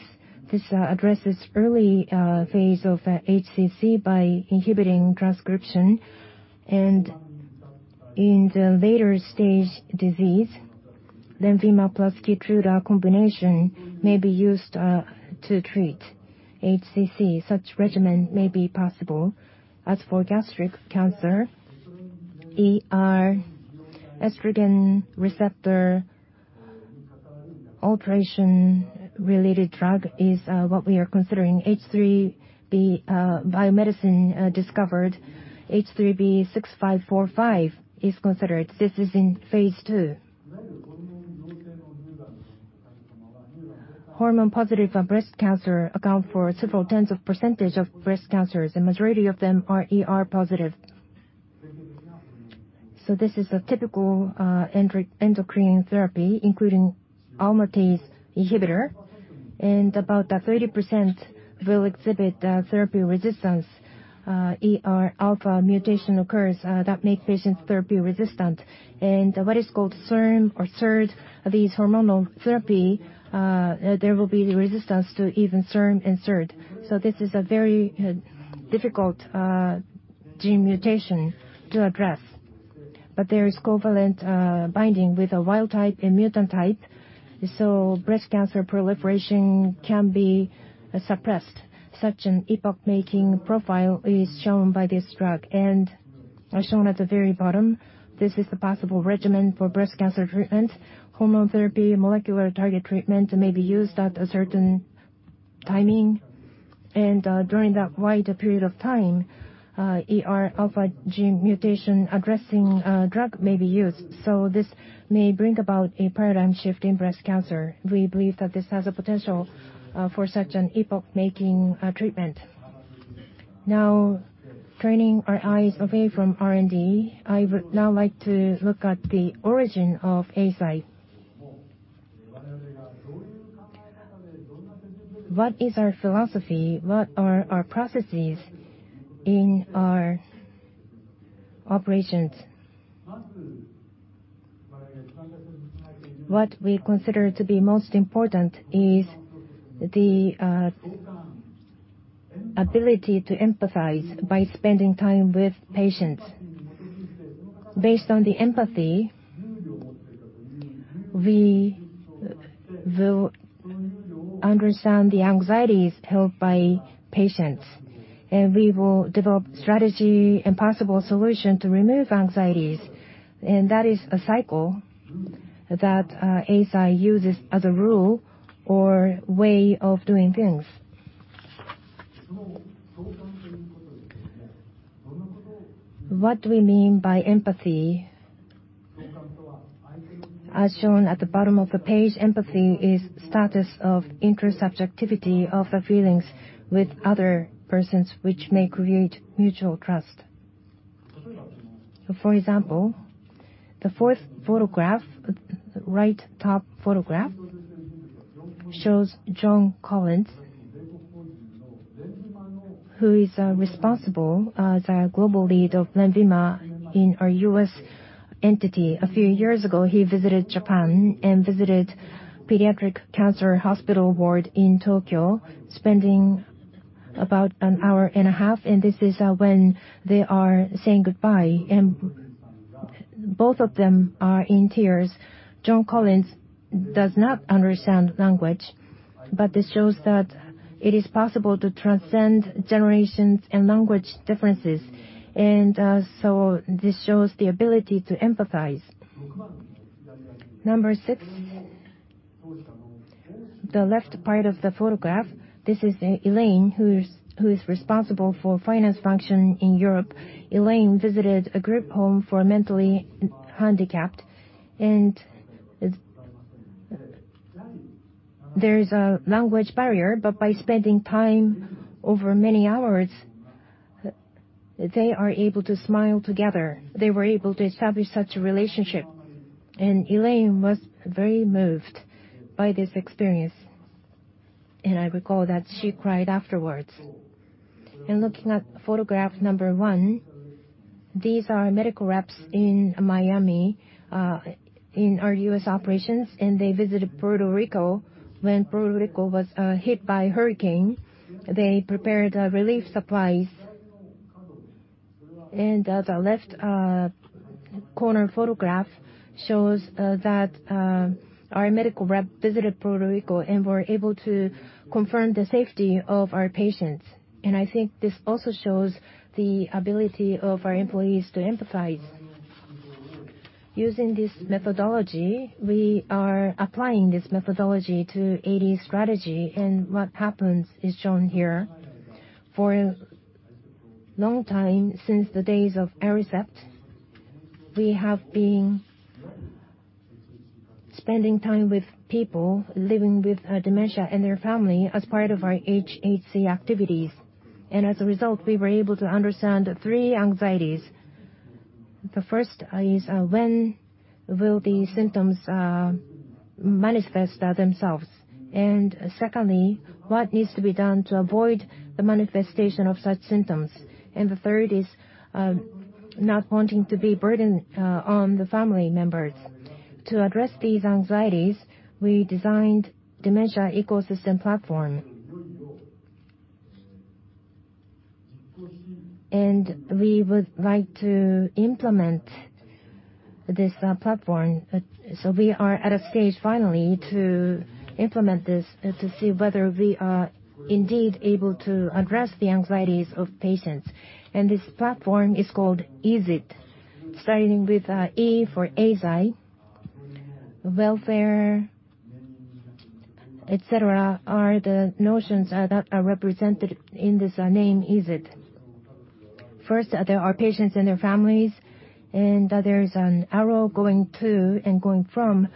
This addresses early phase of HCC by inhibiting transcription. In the later stage disease, LENVIMA plus KEYTRUDA combination may be used to treat HCC. Such regimen may be possible. As for gastric cancer, ER, estrogen receptor alteration-related drug is what we are considering. H3 Biomedicine discovered H3B-6545 is considered. This is in phase II. Hormone positive breast cancer account for several tens of percentage of breast cancers. The majority of them are ER+. This is a typical endocrine therapy, including aromatase inhibitor, and about 30% will exhibit therapy resistance. ERα mutation occurs that make patients therapy resistant. What is called SERM or SERD, these hormonal therapy, there will be resistance to even SERM and SERD. This is a very difficult gene mutation to address. There is covalent binding with a wild type and mutant type, so breast cancer proliferation can be suppressed. Such an epoch-making profile is shown by this drug. As shown at the very bottom, this is the possible regimen for breast cancer treatment. Hormone therapy, molecular target treatment may be used at a certain timing. During that wide period of time, ERα gene mutation addressing drug may be used. This may bring about a paradigm shift in breast cancer. We believe that this has a potential for such an epoch-making treatment. Now turning our eyes away from R&D, I would now like to look at the origin of Eisai. What is our philosophy? What are our processes in our operations? What we consider to be most important is the ability to empathize by spending time with patients. Based on the empathy, we will understand the anxieties held by patients, and we will develop strategy and possible solution to remove anxieties. That is a cycle that Eisai uses as a rule or way of doing things. What do we mean by empathy? As shown at the bottom of the page, empathy is status of intersubjectivity of feelings with other persons, which may create mutual trust. For example, the fourth photograph, right top photograph, shows John Collins, who is responsible as a global lead of LENVIMA in our U.S. entity. A few years ago, he visited Japan and visited pediatric cancer hospital ward in Tokyo, spending about an hour and a half, and this is when they are saying goodbye, and both of them are in tears. John Collins does not understand language, this shows that it is possible to transcend generations and language differences. This shows the ability to empathize. Number 6, the left part of the photograph. This is Elaine, who's responsible for finance function in Europe. Elaine visited a group home for mentally handicapped, and there is a language barrier. By spending time over many hours, they are able to smile together. They were able to establish such a relationship, and Elaine was very moved by this experience, and I recall that she cried afterwards. Looking at photograph number one, these are medical reps in Miami, in our U.S. operations, and they visited Puerto Rico when Puerto Rico was hit by hurricane. They prepared relief supplies. The left corner photograph shows that our medical rep visited Puerto Rico and were able to confirm the safety of our patients. I think this also shows the ability of our employees to empathize. Using this methodology, we are applying this methodology to AD strategy, and what happens is shown here. For a long time, since the days of Aricept, we have been spending time with people living with dementia and their family as part of our hhc activities. As a result, we were able to understand three anxieties. The first is when will the symptoms manifest themselves? Secondly, what needs to be done to avoid the manifestation of such symptoms? The third is not wanting to be burden on the family members. To address these anxieties, we designed dementia ecosystem platform. We would like to implement this platform. We are at a stage finally to implement this to see whether we are indeed able to address the anxieties of patients. This platform is called Easiit, starting with E for Eisai. Welfare, et cetera, are the notions that are represented in this name, Easiit. First, there are patients and their families. There's an arrow going to and going from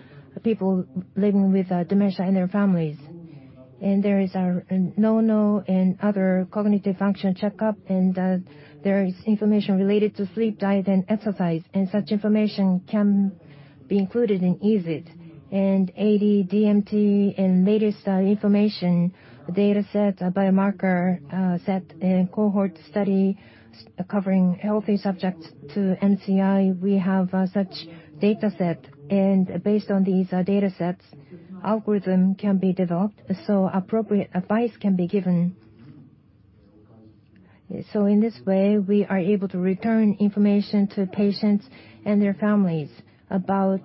people living with dementia and their families. There is a NouKNOW and other cognitive function checkup. There is information related to sleep, diet, and exercise, and such information can be included in Easiit. AD-DMT and latest information data set, biomarker set, and cohort study covering healthy subjects to MCI. We have such data set and based on these data sets, algorithm can be developed, so appropriate advice can be given. In this way, we are able to return information to patients and their families about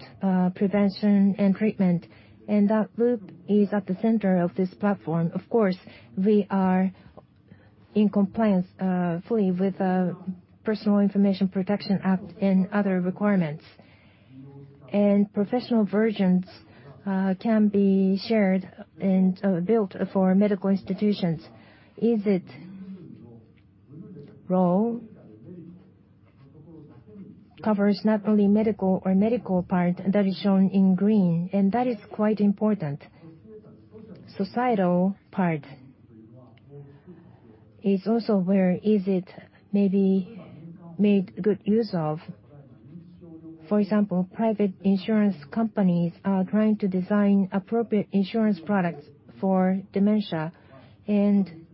prevention and treatment. That loop is at the center of this platform. Of course, we are in compliance fully with Act on the Protection of Personal Information and other requirements. Professional versions can be shared and built for medical institutions. Easiit role covers not only medical or medical part that is shown in green, that is quite important. Societal part is also where Easiit maybe made good use of. For example, private insurance companies are trying to design appropriate insurance products for dementia, and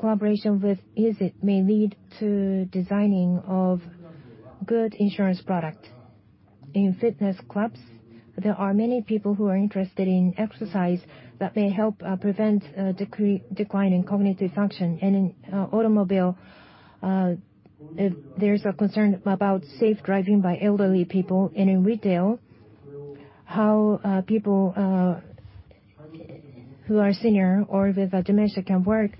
collaboration with Easiit may lead to designing of good insurance product. In fitness clubs, there are many people who are interested in exercise that may help prevent decline in cognitive function. In automobile, there's a concern about safe driving by elderly people. In retail, how people who are senior or with dementia can work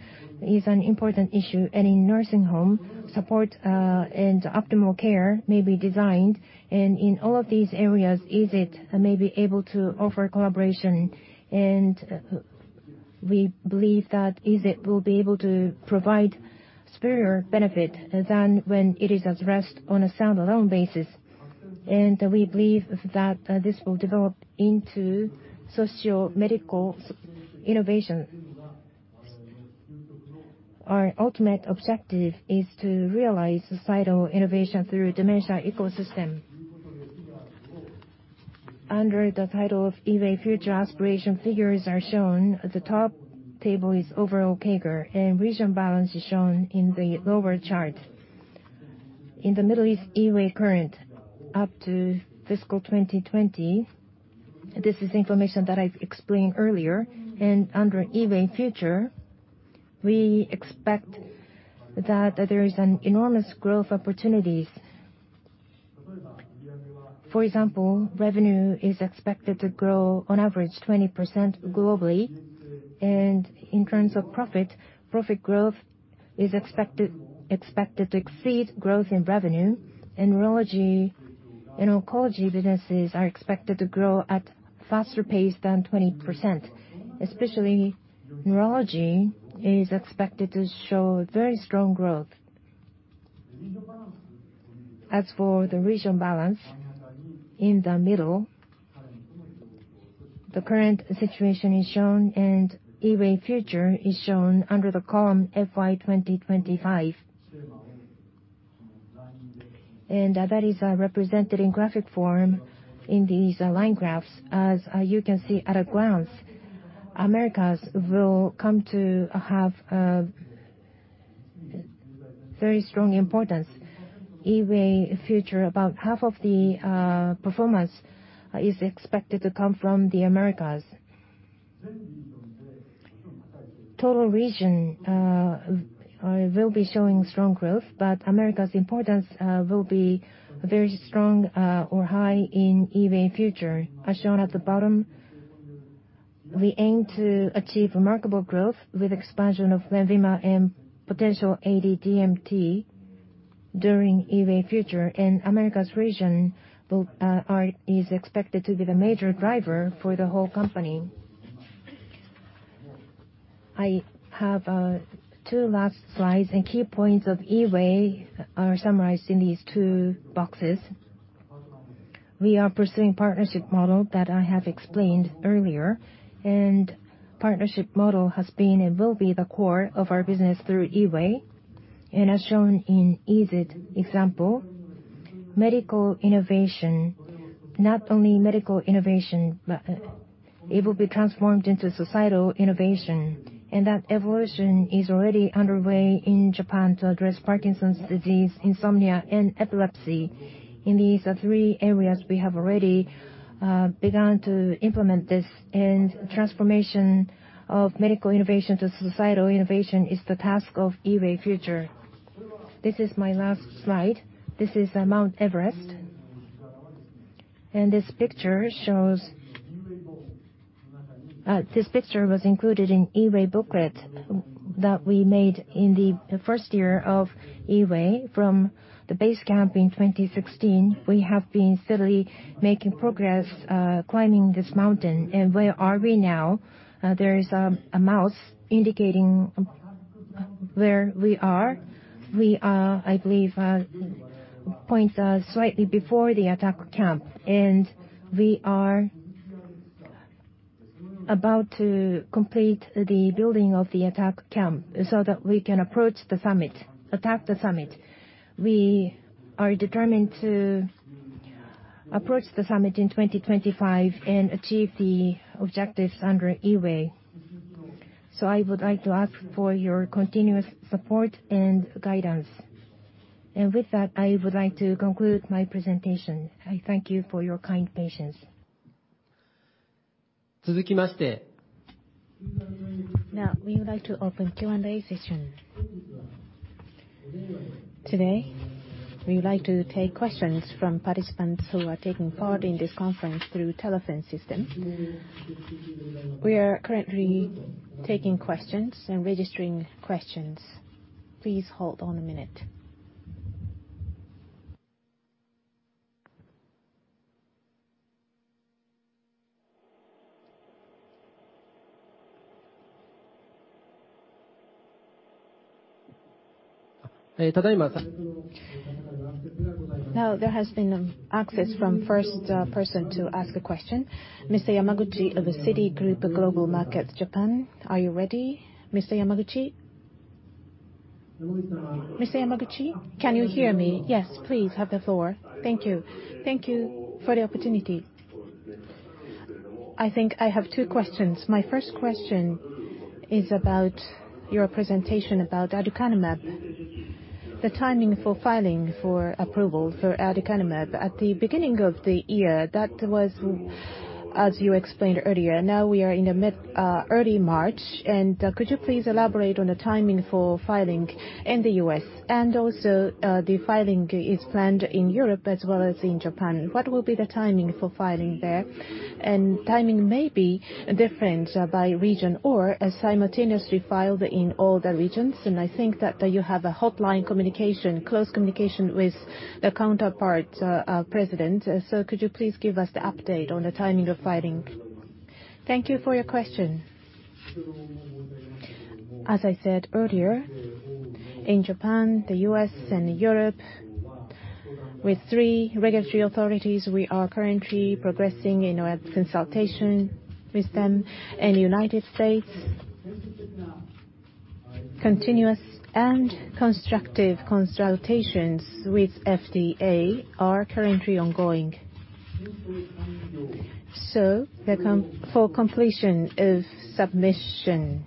is an important issue. In nursing home, support and optimal care may be designed. In all of these areas, Easiit may be able to offer collaboration. We believe that Easiit will be able to provide superior benefit than when it is addressed on a stand-alone basis. We believe that this will develop into socio-medical innovation. Our ultimate objective is to realize societal innovation through dementia ecosystem. Under the title of Eisai Future Aspiration, figures are shown. The top table is overall CAGR, and region balance is shown in the lower chart. In the middle is EWAY Current up to fiscal 2020. This is information that I explained earlier. Under EWAY Future, we expect that there is an enormous growth opportunities. For example, revenue is expected to grow on average 20% globally. In terms of profit growth is expected to exceed growth in revenue. Neurology and oncology businesses are expected to grow at faster pace than 20%. Especially neurology is expected to show very strong growth. As for the region balance, in the middle, the current situation is shown, and EWAY Future is shown under the column FY 2025. That is represented in graphic form in these line graphs. As you can see at a glance, Americas will come to have a very strong importance. EWAY Future, about half of the performance is expected to come from the Americas. Total region will be showing strong growth, but Americas importance will be very strong or high in EWAY Future. As shown at the bottom, we aim to achieve remarkable growth with expansion of LENVIMA and potential AD-DMT during EWAY Future. Americas region is expected to be the major driver for the whole company. I have two last slides, and key points of Eisai are summarized in these two boxes. We are pursuing partnership model that I have explained earlier, and partnership model has been and will be the core of our business through Eisai. As shown in Easiit example, medical innovation, not only medical innovation, but it will be transformed into societal innovation. That evolution is already underway in Japan to address Parkinson's disease, insomnia, and epilepsy. In these three areas, we have already begun to implement this. Transformation of medical innovation to societal innovation is the task of Eisai Future. This is my last slide. This is Mount Everest. This picture was included in Eisai booklet that we made in the first year of Eisai from the base camp in 2016. We have been steadily making progress climbing this mountain. Where are we now? There is a mouse indicating. Where we are, I believe, at a point slightly before the attack camp, and we are about to complete the building of the attack camp so that we can approach the summit, attack the summit. We are determined to approach the summit in 2025 and achieve the objectives under EWAY. I would like to ask for your continuous support and guidance. With that, I would like to conclude my presentation. I thank you for your kind patience. We would like to open Q&A session. Today, we would like to take questions from participants who are taking part in this conference through telephone system. We are currently taking questions and registering questions. Please hold on a minute. There has been access from first person to ask a question. Mr. Yamaguchi of Citigroup Global Markets Japan. Are you ready, Mr. Yamaguchi? Mr. Yamaguchi, can you hear me? Yes. Please, have the floor. Thank you. Thank you for the opportunity. I think I have two questions. My first question is about your presentation about aducanumab, the timing for filing for approval for aducanumab. At the beginning of the year, that was as you explained earlier. Now we are in early March. Could you please elaborate on the timing for filing in the U.S., and also the filing is planned in Europe as well as in Japan. What will be the timing for filing there? Timing may be different by region or simultaneously filed in all the regions. I think that you have a hotline communication, close communication with the counterpart president. Could you please give us the update on the timing of filing? Thank you for your question. As I said earlier, in Japan, the U.S., and Europe, with three regulatory authorities, we are currently progressing in our consultation with them. In U.S., continuous and constructive consultations with FDA are currently ongoing. For completion of submission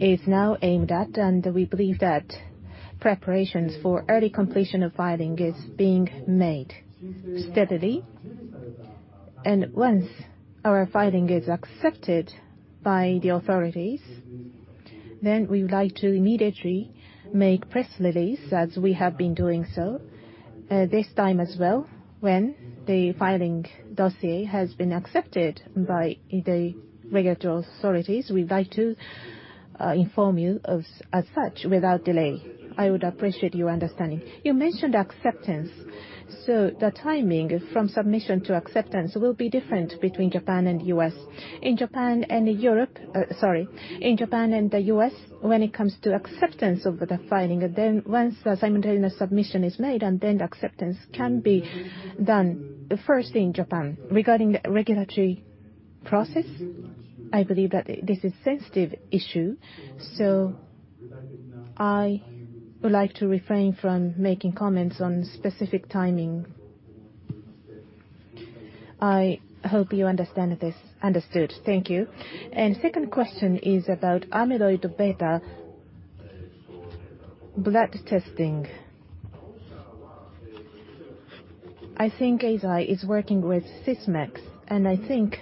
is now aimed at, and we believe that preparations for early completion of filing is being made steadily. Once our filing is accepted by the authorities, we would like to immediately make press release as we have been doing so. This time as well, when the filing dossier has been accepted by the regulatory authorities, we'd like to inform you of as such without delay. I would appreciate your understanding. You mentioned acceptance. The timing from submission to acceptance will be different between Japan and U.S. In Japan and Europe, sorry. In Japan and the U.S., when it comes to acceptance of the filing, once the simultaneous submission is made, then the acceptance can be done first in Japan. Regarding the regulatory process, I believe that this is sensitive issue, I would like to refrain from making comments on specific timing. I hope you understand this. Understood. Thank you. Second question is about amyloid β blood testing. I think Eisai is working with Sysmex, I think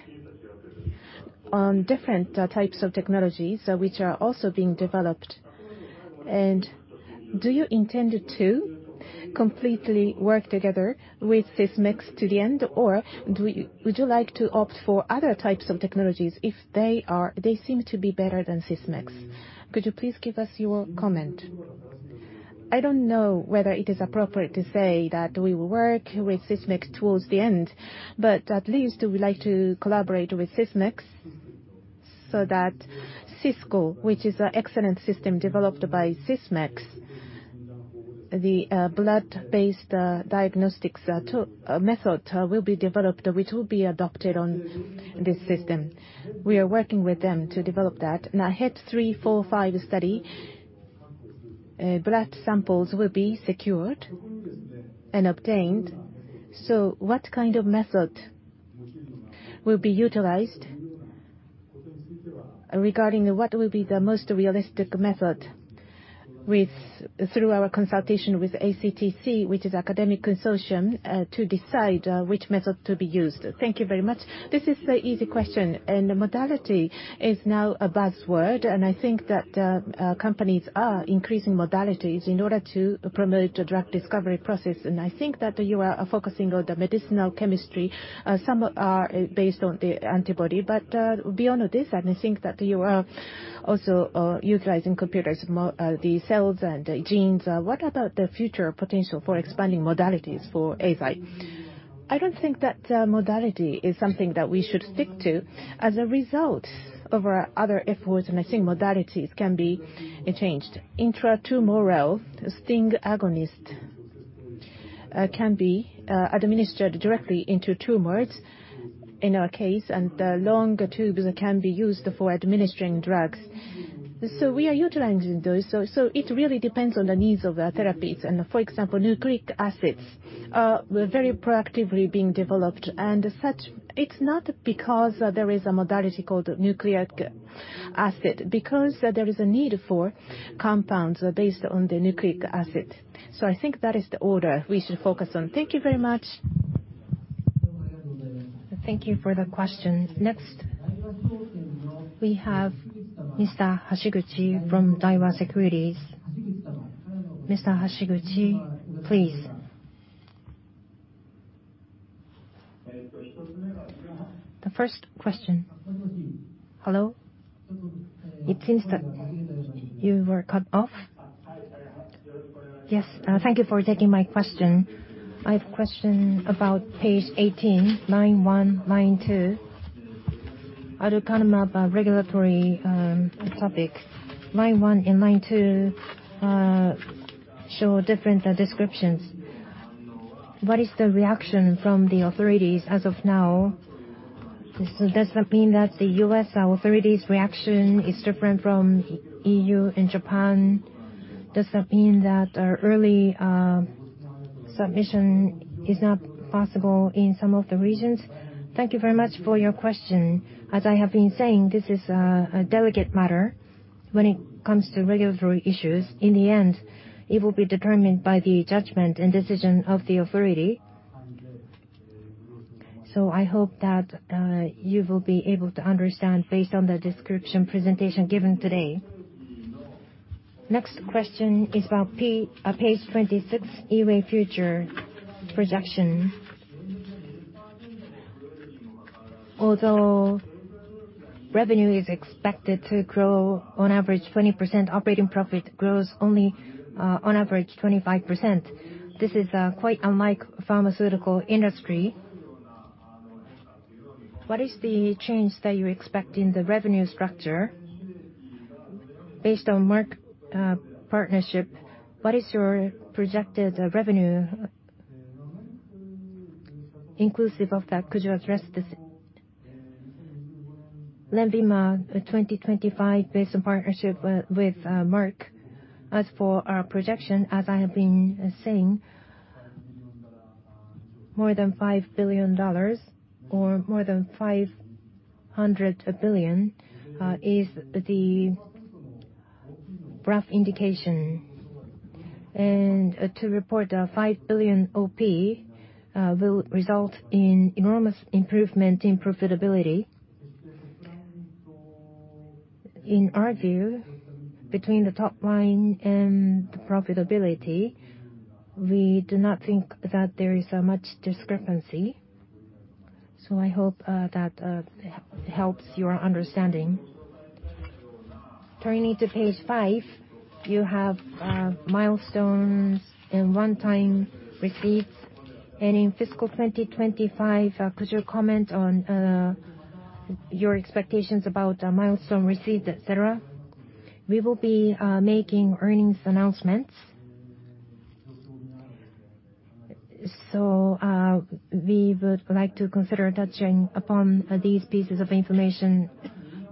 on different types of technologies which are also being developed. Do you intend to completely work together with Sysmex to the end, would you like to opt for other types of technologies if they seem to be better than Sysmex? Could you please give us your comment? I don't know whether it is appropriate to say that we will work with Sysmex towards the end, but at least we would like to collaborate with Sysmex so that HISCL, which is an excellent system developed by Sysmex. The blood-based diagnostics method will be developed, which will be adopted on this system. We are working with them to develop that. AHEAD 3-45 study, blood samples will be secured and obtained. What kind of method will be utilized regarding what will be the most realistic method through our consultation with ACTC, which is academic consortium, to decide which method to be used. Thank you very much. This is the easy question. Modality is now a buzzword, and I think that companies are increasing modalities in order to promote the drug discovery process. I think that you are focusing on the medicinal chemistry. Some are based on the antibody, but beyond this, and I think that you are also utilizing computers, the cells and genes. What about the future potential for expanding modalities for Eisai? I don't think that modality is something that we should stick to as a result of our other efforts, and I think modalities can be changed. Intratumoral STING agonist can be administered directly into tumors, in our case, and longer tubes can be used for administering drugs. We are utilizing those. It really depends on the needs of the therapies. For example, nucleic acids are very proactively being developed. Such, it's not because there is a modality called nucleic acid, because there is a need for compounds based on the nucleic acid. I think that is the order we should focus on. Thank you very much. Thank you for the question. Next, we have Mr. Hashiguchi from Daiwa Securities. Mr. Hashiguchi, please. The first question. Hello? It seems that you were cut off. Yes. Thank you for taking my question. I have a question about page 18, line one, line two. aducanumab regulatory topic. Line one and line two show different descriptions. What is the reaction from the authorities as of now? Does that mean that the U.S. authorities' reaction is different from EU and Japan? Does that mean that early submission is not possible in some of the regions? Thank you very much for your question. As I have been saying, this is a delicate matter when it comes to regulatory issues. In the end, it will be determined by the judgment and decision of the authority. I hope that you will be able to understand based on the description presentation given today. Next question is about page 26, Eisai Future Aspiration. Although revenue is expected to grow on average 20%, operating profit grows only on average 25%. This is quite unlike pharmaceutical industry. What is the change that you expect in the revenue structure? Based on Merck partnership, what is your projected revenue inclusive of that? Could you address this? LENVIMA 2025 based on partnership with Merck. For our projection, as I have been saying, more than JPY 5 billion, or more than 500 billion, is the rough indication. To report a 5 billion OP will result in enormous improvement in profitability. In our view, between the top line and the profitability, we do not think that there is much discrepancy. I hope that helps your understanding. Turning to page five, you have milestones and one-time receipts. In fiscal 2025, could you comment on your expectations about milestone receipt, et cetera? We will be making earnings announcements. We would like to consider touching upon these pieces of information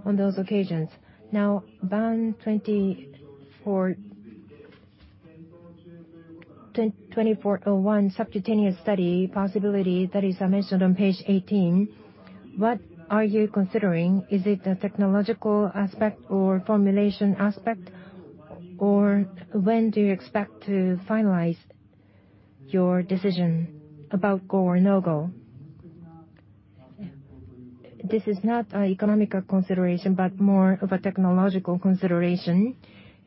on those occasions. BAN2401 subcutaneous study possibility that is mentioned on page 18. What are you considering? Is it a technological aspect or formulation aspect, or when do you expect to finalize your decision about go or no go? This is not an economical consideration, but more of a technological consideration.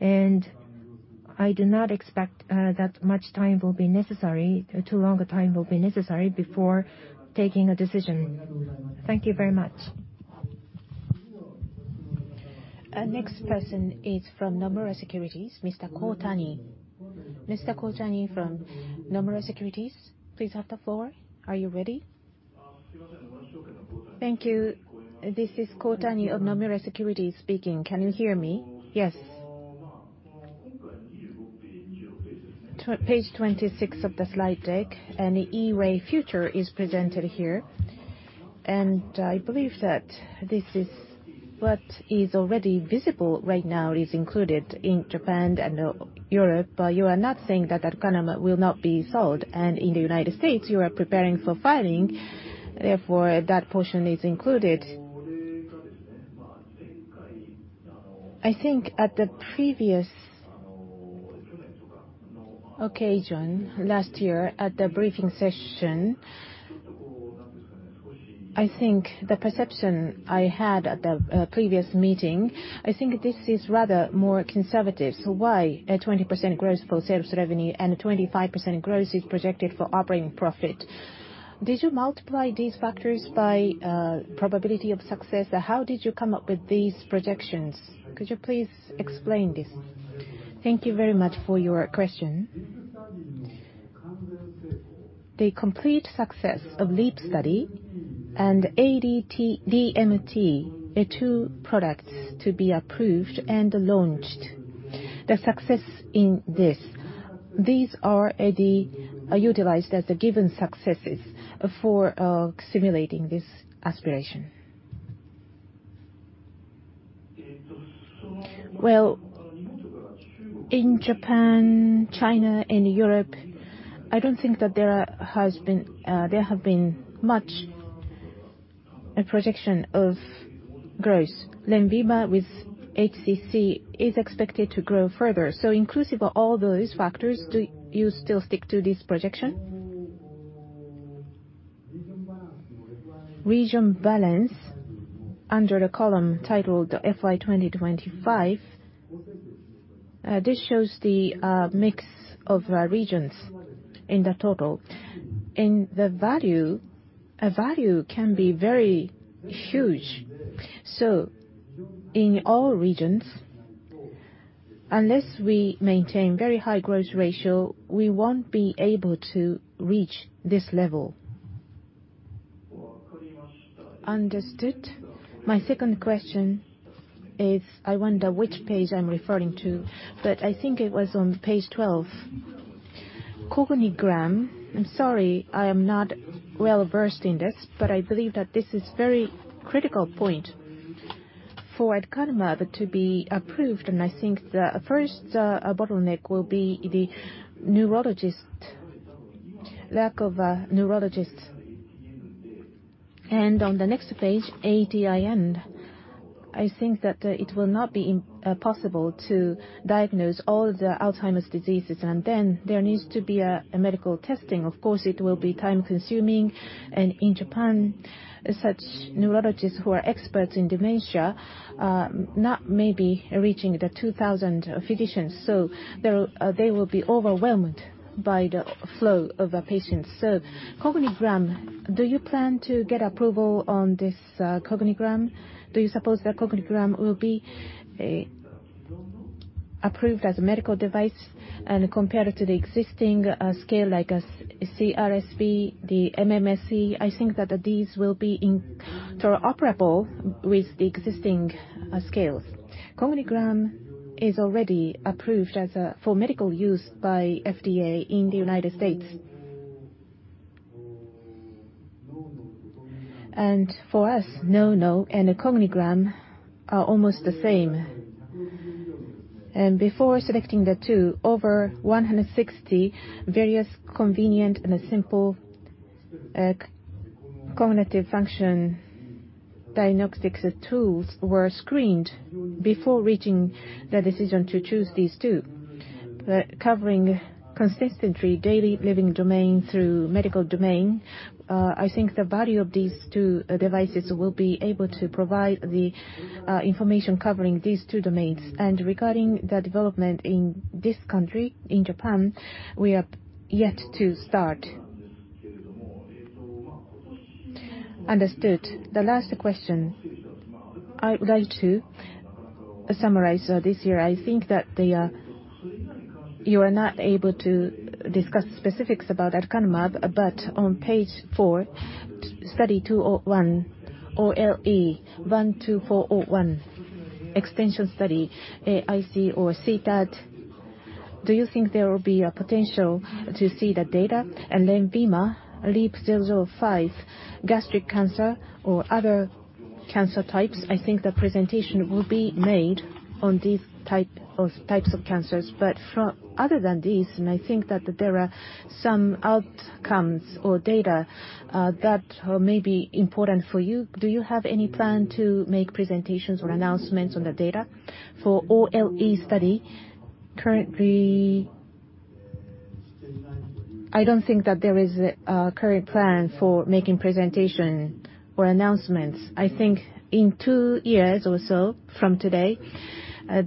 I do not expect that too long a time will be necessary before taking a decision. Thank you very much. Next person is from Nomura Securities, Mr. Kotani. Mr. Kotani from Nomura Securities, please have the floor. Are you ready? Thank you. This is Kotani of Nomura Securities speaking. Can you hear me? Yes. Page 26 of the slide deck, an Eisai future is presented here. I believe that this is what is already visible right now is included in Japan and Europe. You are not saying that aducanumab will not be sold, and in the U.S., you are preparing for filing, therefore that portion is included. I think at the previous occasion last year at the briefing session, I think the perception I had at the previous meeting, I think this is rather more conservative. Why a 20% growth for sales revenue and a 25% growth is projected for operating profit? Did you multiply these factors by probability of success? How did you come up with these projections? Could you please explain this? Thank you very much for your question. The complete success of LEAP study and AD-DMT are two products to be approved and launched. The success in this, these are utilized as the given successes for simulating this aspiration. Well, in Japan, China, and Europe, I don't think that there have been much projection of growth. LENVIMA with HCC is expected to grow further. Inclusive of all those factors, do you still stick to this projection? Region balance under the column titled FY 2025. This shows the mix of regions in the total. In the value, a value can be very huge. In all regions, unless we maintain very high growth ratio, we won't be able to reach this level. Understood. My second question is, I wonder which page I'm referring to, but I think it was on page 12. Cognigram. I'm sorry I am not well-versed in this, but I believe that this is very critical point for aducanumab to be approved. I think the first bottleneck will be the neurologist, lack of neurologists. On the next page, ADIN, I think that it will not be possible to diagnose all the Alzheimer's diseases. There needs to be a medical testing. Of course, it will be time-consuming. In Japan, such neurologists who are experts in dementia, not maybe reaching the 2,000 physicians. They will be overwhelmed by the flow of the patients. Cognigram, do you plan to get approval on this Cognigram? Do you suppose that Cognigram will be approved as a medical device and compared to the existing scale like a CDR-SB, the MMSE? I think that these will be interoperable with the existing scales. Cognigram is already approved for medical use by FDA in the United States. For us, NouKNOW and Cognigram are almost the same. Before selecting the two, over 160 various convenient and simple cognitive function diagnostics tools were screened before reaching the decision to choose these two. Covering consistently daily living domain through medical domain, I think the value of these two devices will be able to provide the information covering these two domains. Regarding the development in this country, in Japan, we are yet to start. Understood. The last question. I would like to summarize this here. I think that you are not able to discuss specifics about aducanumab, but on page four, Study 201, OLE 12401 extension study, IC or CTAD. Do you think there will be a potential to see the data? LENVIMA LEAP-005, gastric cancer or other cancer types. I think the presentation will be made on these types of cancers. I think that there are some outcomes or data that may be important for you. Do you have any plan to make presentations or announcements on the data? For OLE Study, currently, I don't think that there is a current plan for making presentation or announcements. I think in two years or so from today,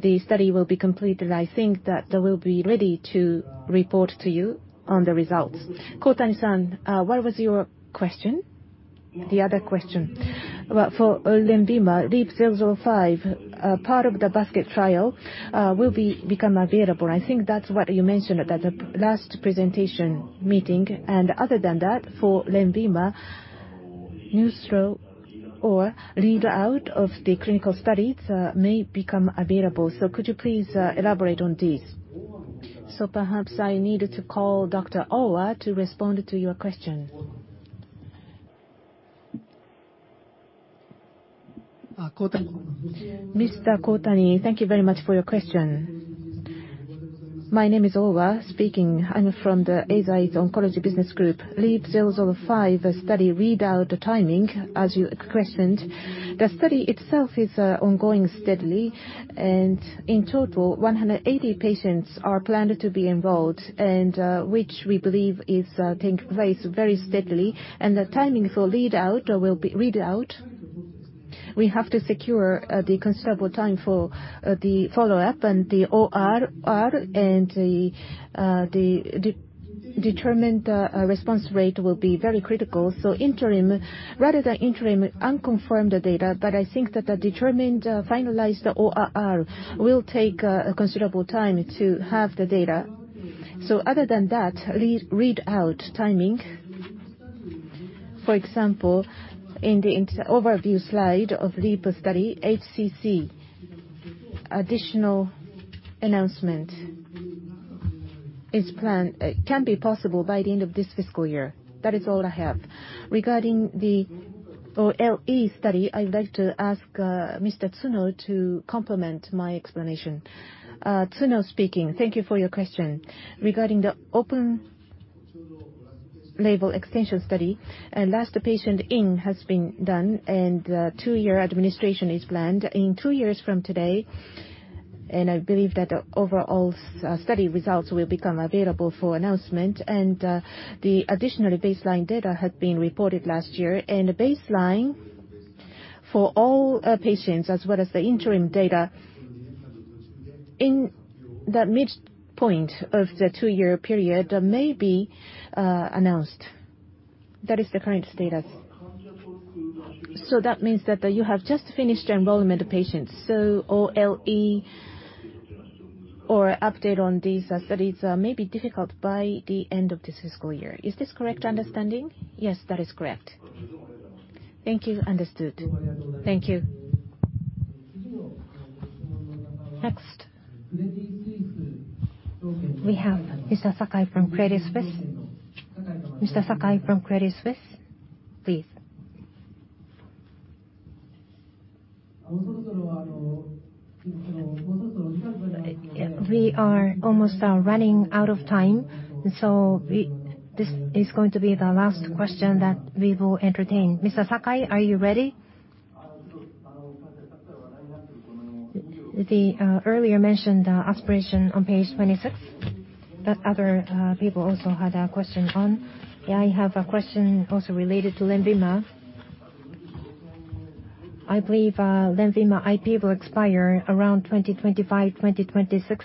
the study will be completed. I think that they will be ready to report to you on the results. Kotani-san, what was your question? The other question. For LENVIMA LEAP-005, part of the basket trial will become available. I think that's what you mentioned at the last presentation meeting. Other than that, for LENVIMA, new stroke or read out of the clinical studies may become available. Could you please elaborate on this? Perhaps I need to call Dr. Owa to respond to your question. Mr. Kotani, thank you very much for your question. My name is Owa speaking. I'm from the Eisai Oncology Business Group. LEAP-005 study readout timing, as you questioned. The study itself is ongoing steadily. In total, 180 patients are planned to be involved, which we believe is taking place very steadily. The timing for readout, we have to secure the considerable time for the follow-up and the ORR and the determined response rate will be very critical. Rather than interim unconfirmed data, I think that the determined finalized ORR will take a considerable time to have the data. Other than that, read out timing. For example, in the overview slide of LEAP study, HCC additional announcement can be possible by the end of this fiscal year. That is all I have. Regarding the OLE study, I'd like to ask Mr. Yasuno to complement my explanation. Yasuno speaking. Thank you for your question. Regarding the open-label extension study, last patient in has been done and a two-year administration is planned. In two years from today, and I believe that the overall study results will become available for announcement, and the additional baseline data had been reported last year. Baseline for all patients as well as the interim data in that midpoint of the two-year period may be announced. That is the current status. That means that you have just finished enrollment of patients, so OLE or update on these studies may be difficult by the end of this fiscal year. Is this correct understanding? Yes, that is correct. Thank you. Understood. Thank you. Next, we have Mr. Sakai from Credit Suisse. Mr. Sakai from Credit Suisse, please. We are almost running out of time. This is going to be the last question that we will entertain. Mr. Sakai, are you ready? The earlier mentioned aspiration on page 26, that other people also had a question on. I have a question also related to LENVIMA. I believe LENVIMA IP will expire around 2025, 2026.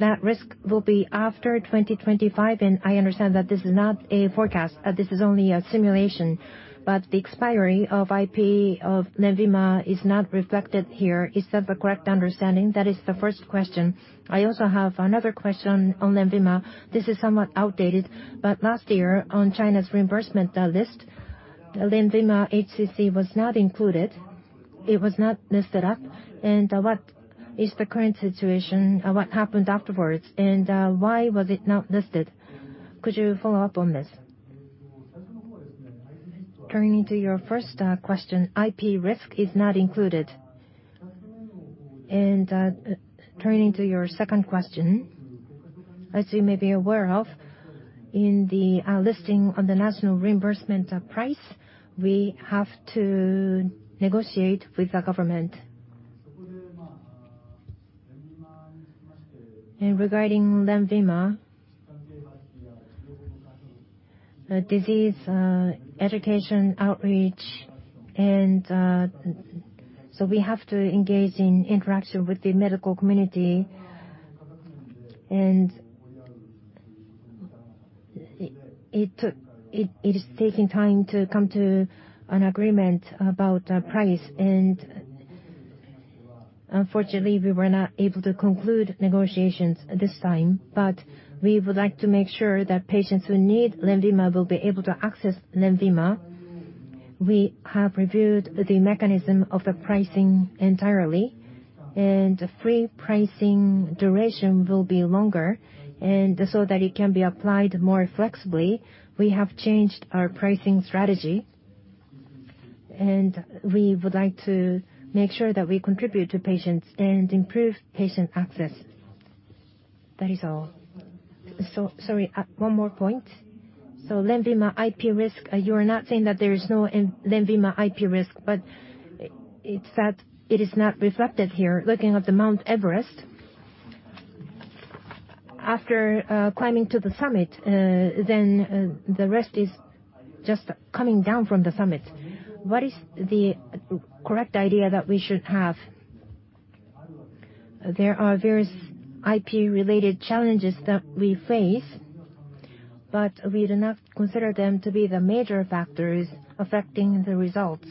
That risk will be after 2025. I understand that this is not a forecast, that this is only a simulation. The expiry of IP of LENVIMA is not reflected here. Is that the correct understanding? That is the first question. I also have another question on LENVIMA. This is somewhat outdated, but last year on China's reimbursement list, LENVIMA HCC was not included. It was not listed up. What is the current situation? What happened afterwards, and why was it not listed? Could you follow up on this? Turning to your first question, IP risk is not included. Turning to your second question, as you may be aware of, in the listing on the national reimbursement price, we have to negotiate with the government. Regarding LENVIMA, disease education outreach, we have to engage in interaction with the medical community. It is taking time to come to an agreement about price, unfortunately, we were not able to conclude negotiations this time. We would like to make sure that patients who need LENVIMA will be able to access LENVIMA. We have reviewed the mechanism of the pricing entirely, the free pricing duration will be longer. That it can be applied more flexibly, we have changed our pricing strategy, we would like to make sure that we contribute to patients and improve patient access. That is all. Sorry, one more point. LENVIMA IP risk, you are not saying that there is no LENVIMA IP risk, but it said it is not reflected here. Looking at Mount Everest, after climbing to the summit, then the rest is just coming down from the summit. What is the correct idea that we should have? There are various IP-related challenges that we face, but we do not consider them to be the major factors affecting the results.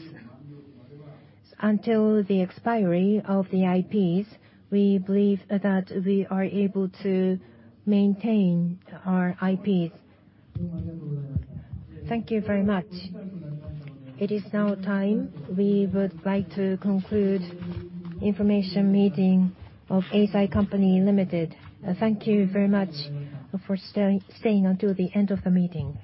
Until the expiry of the IPs, we believe that we are able to maintain our IPs. Thank you very much. It is now time. We would like to conclude information meeting of Eisai Company Limited. Thank you very much for staying until the end of the meeting.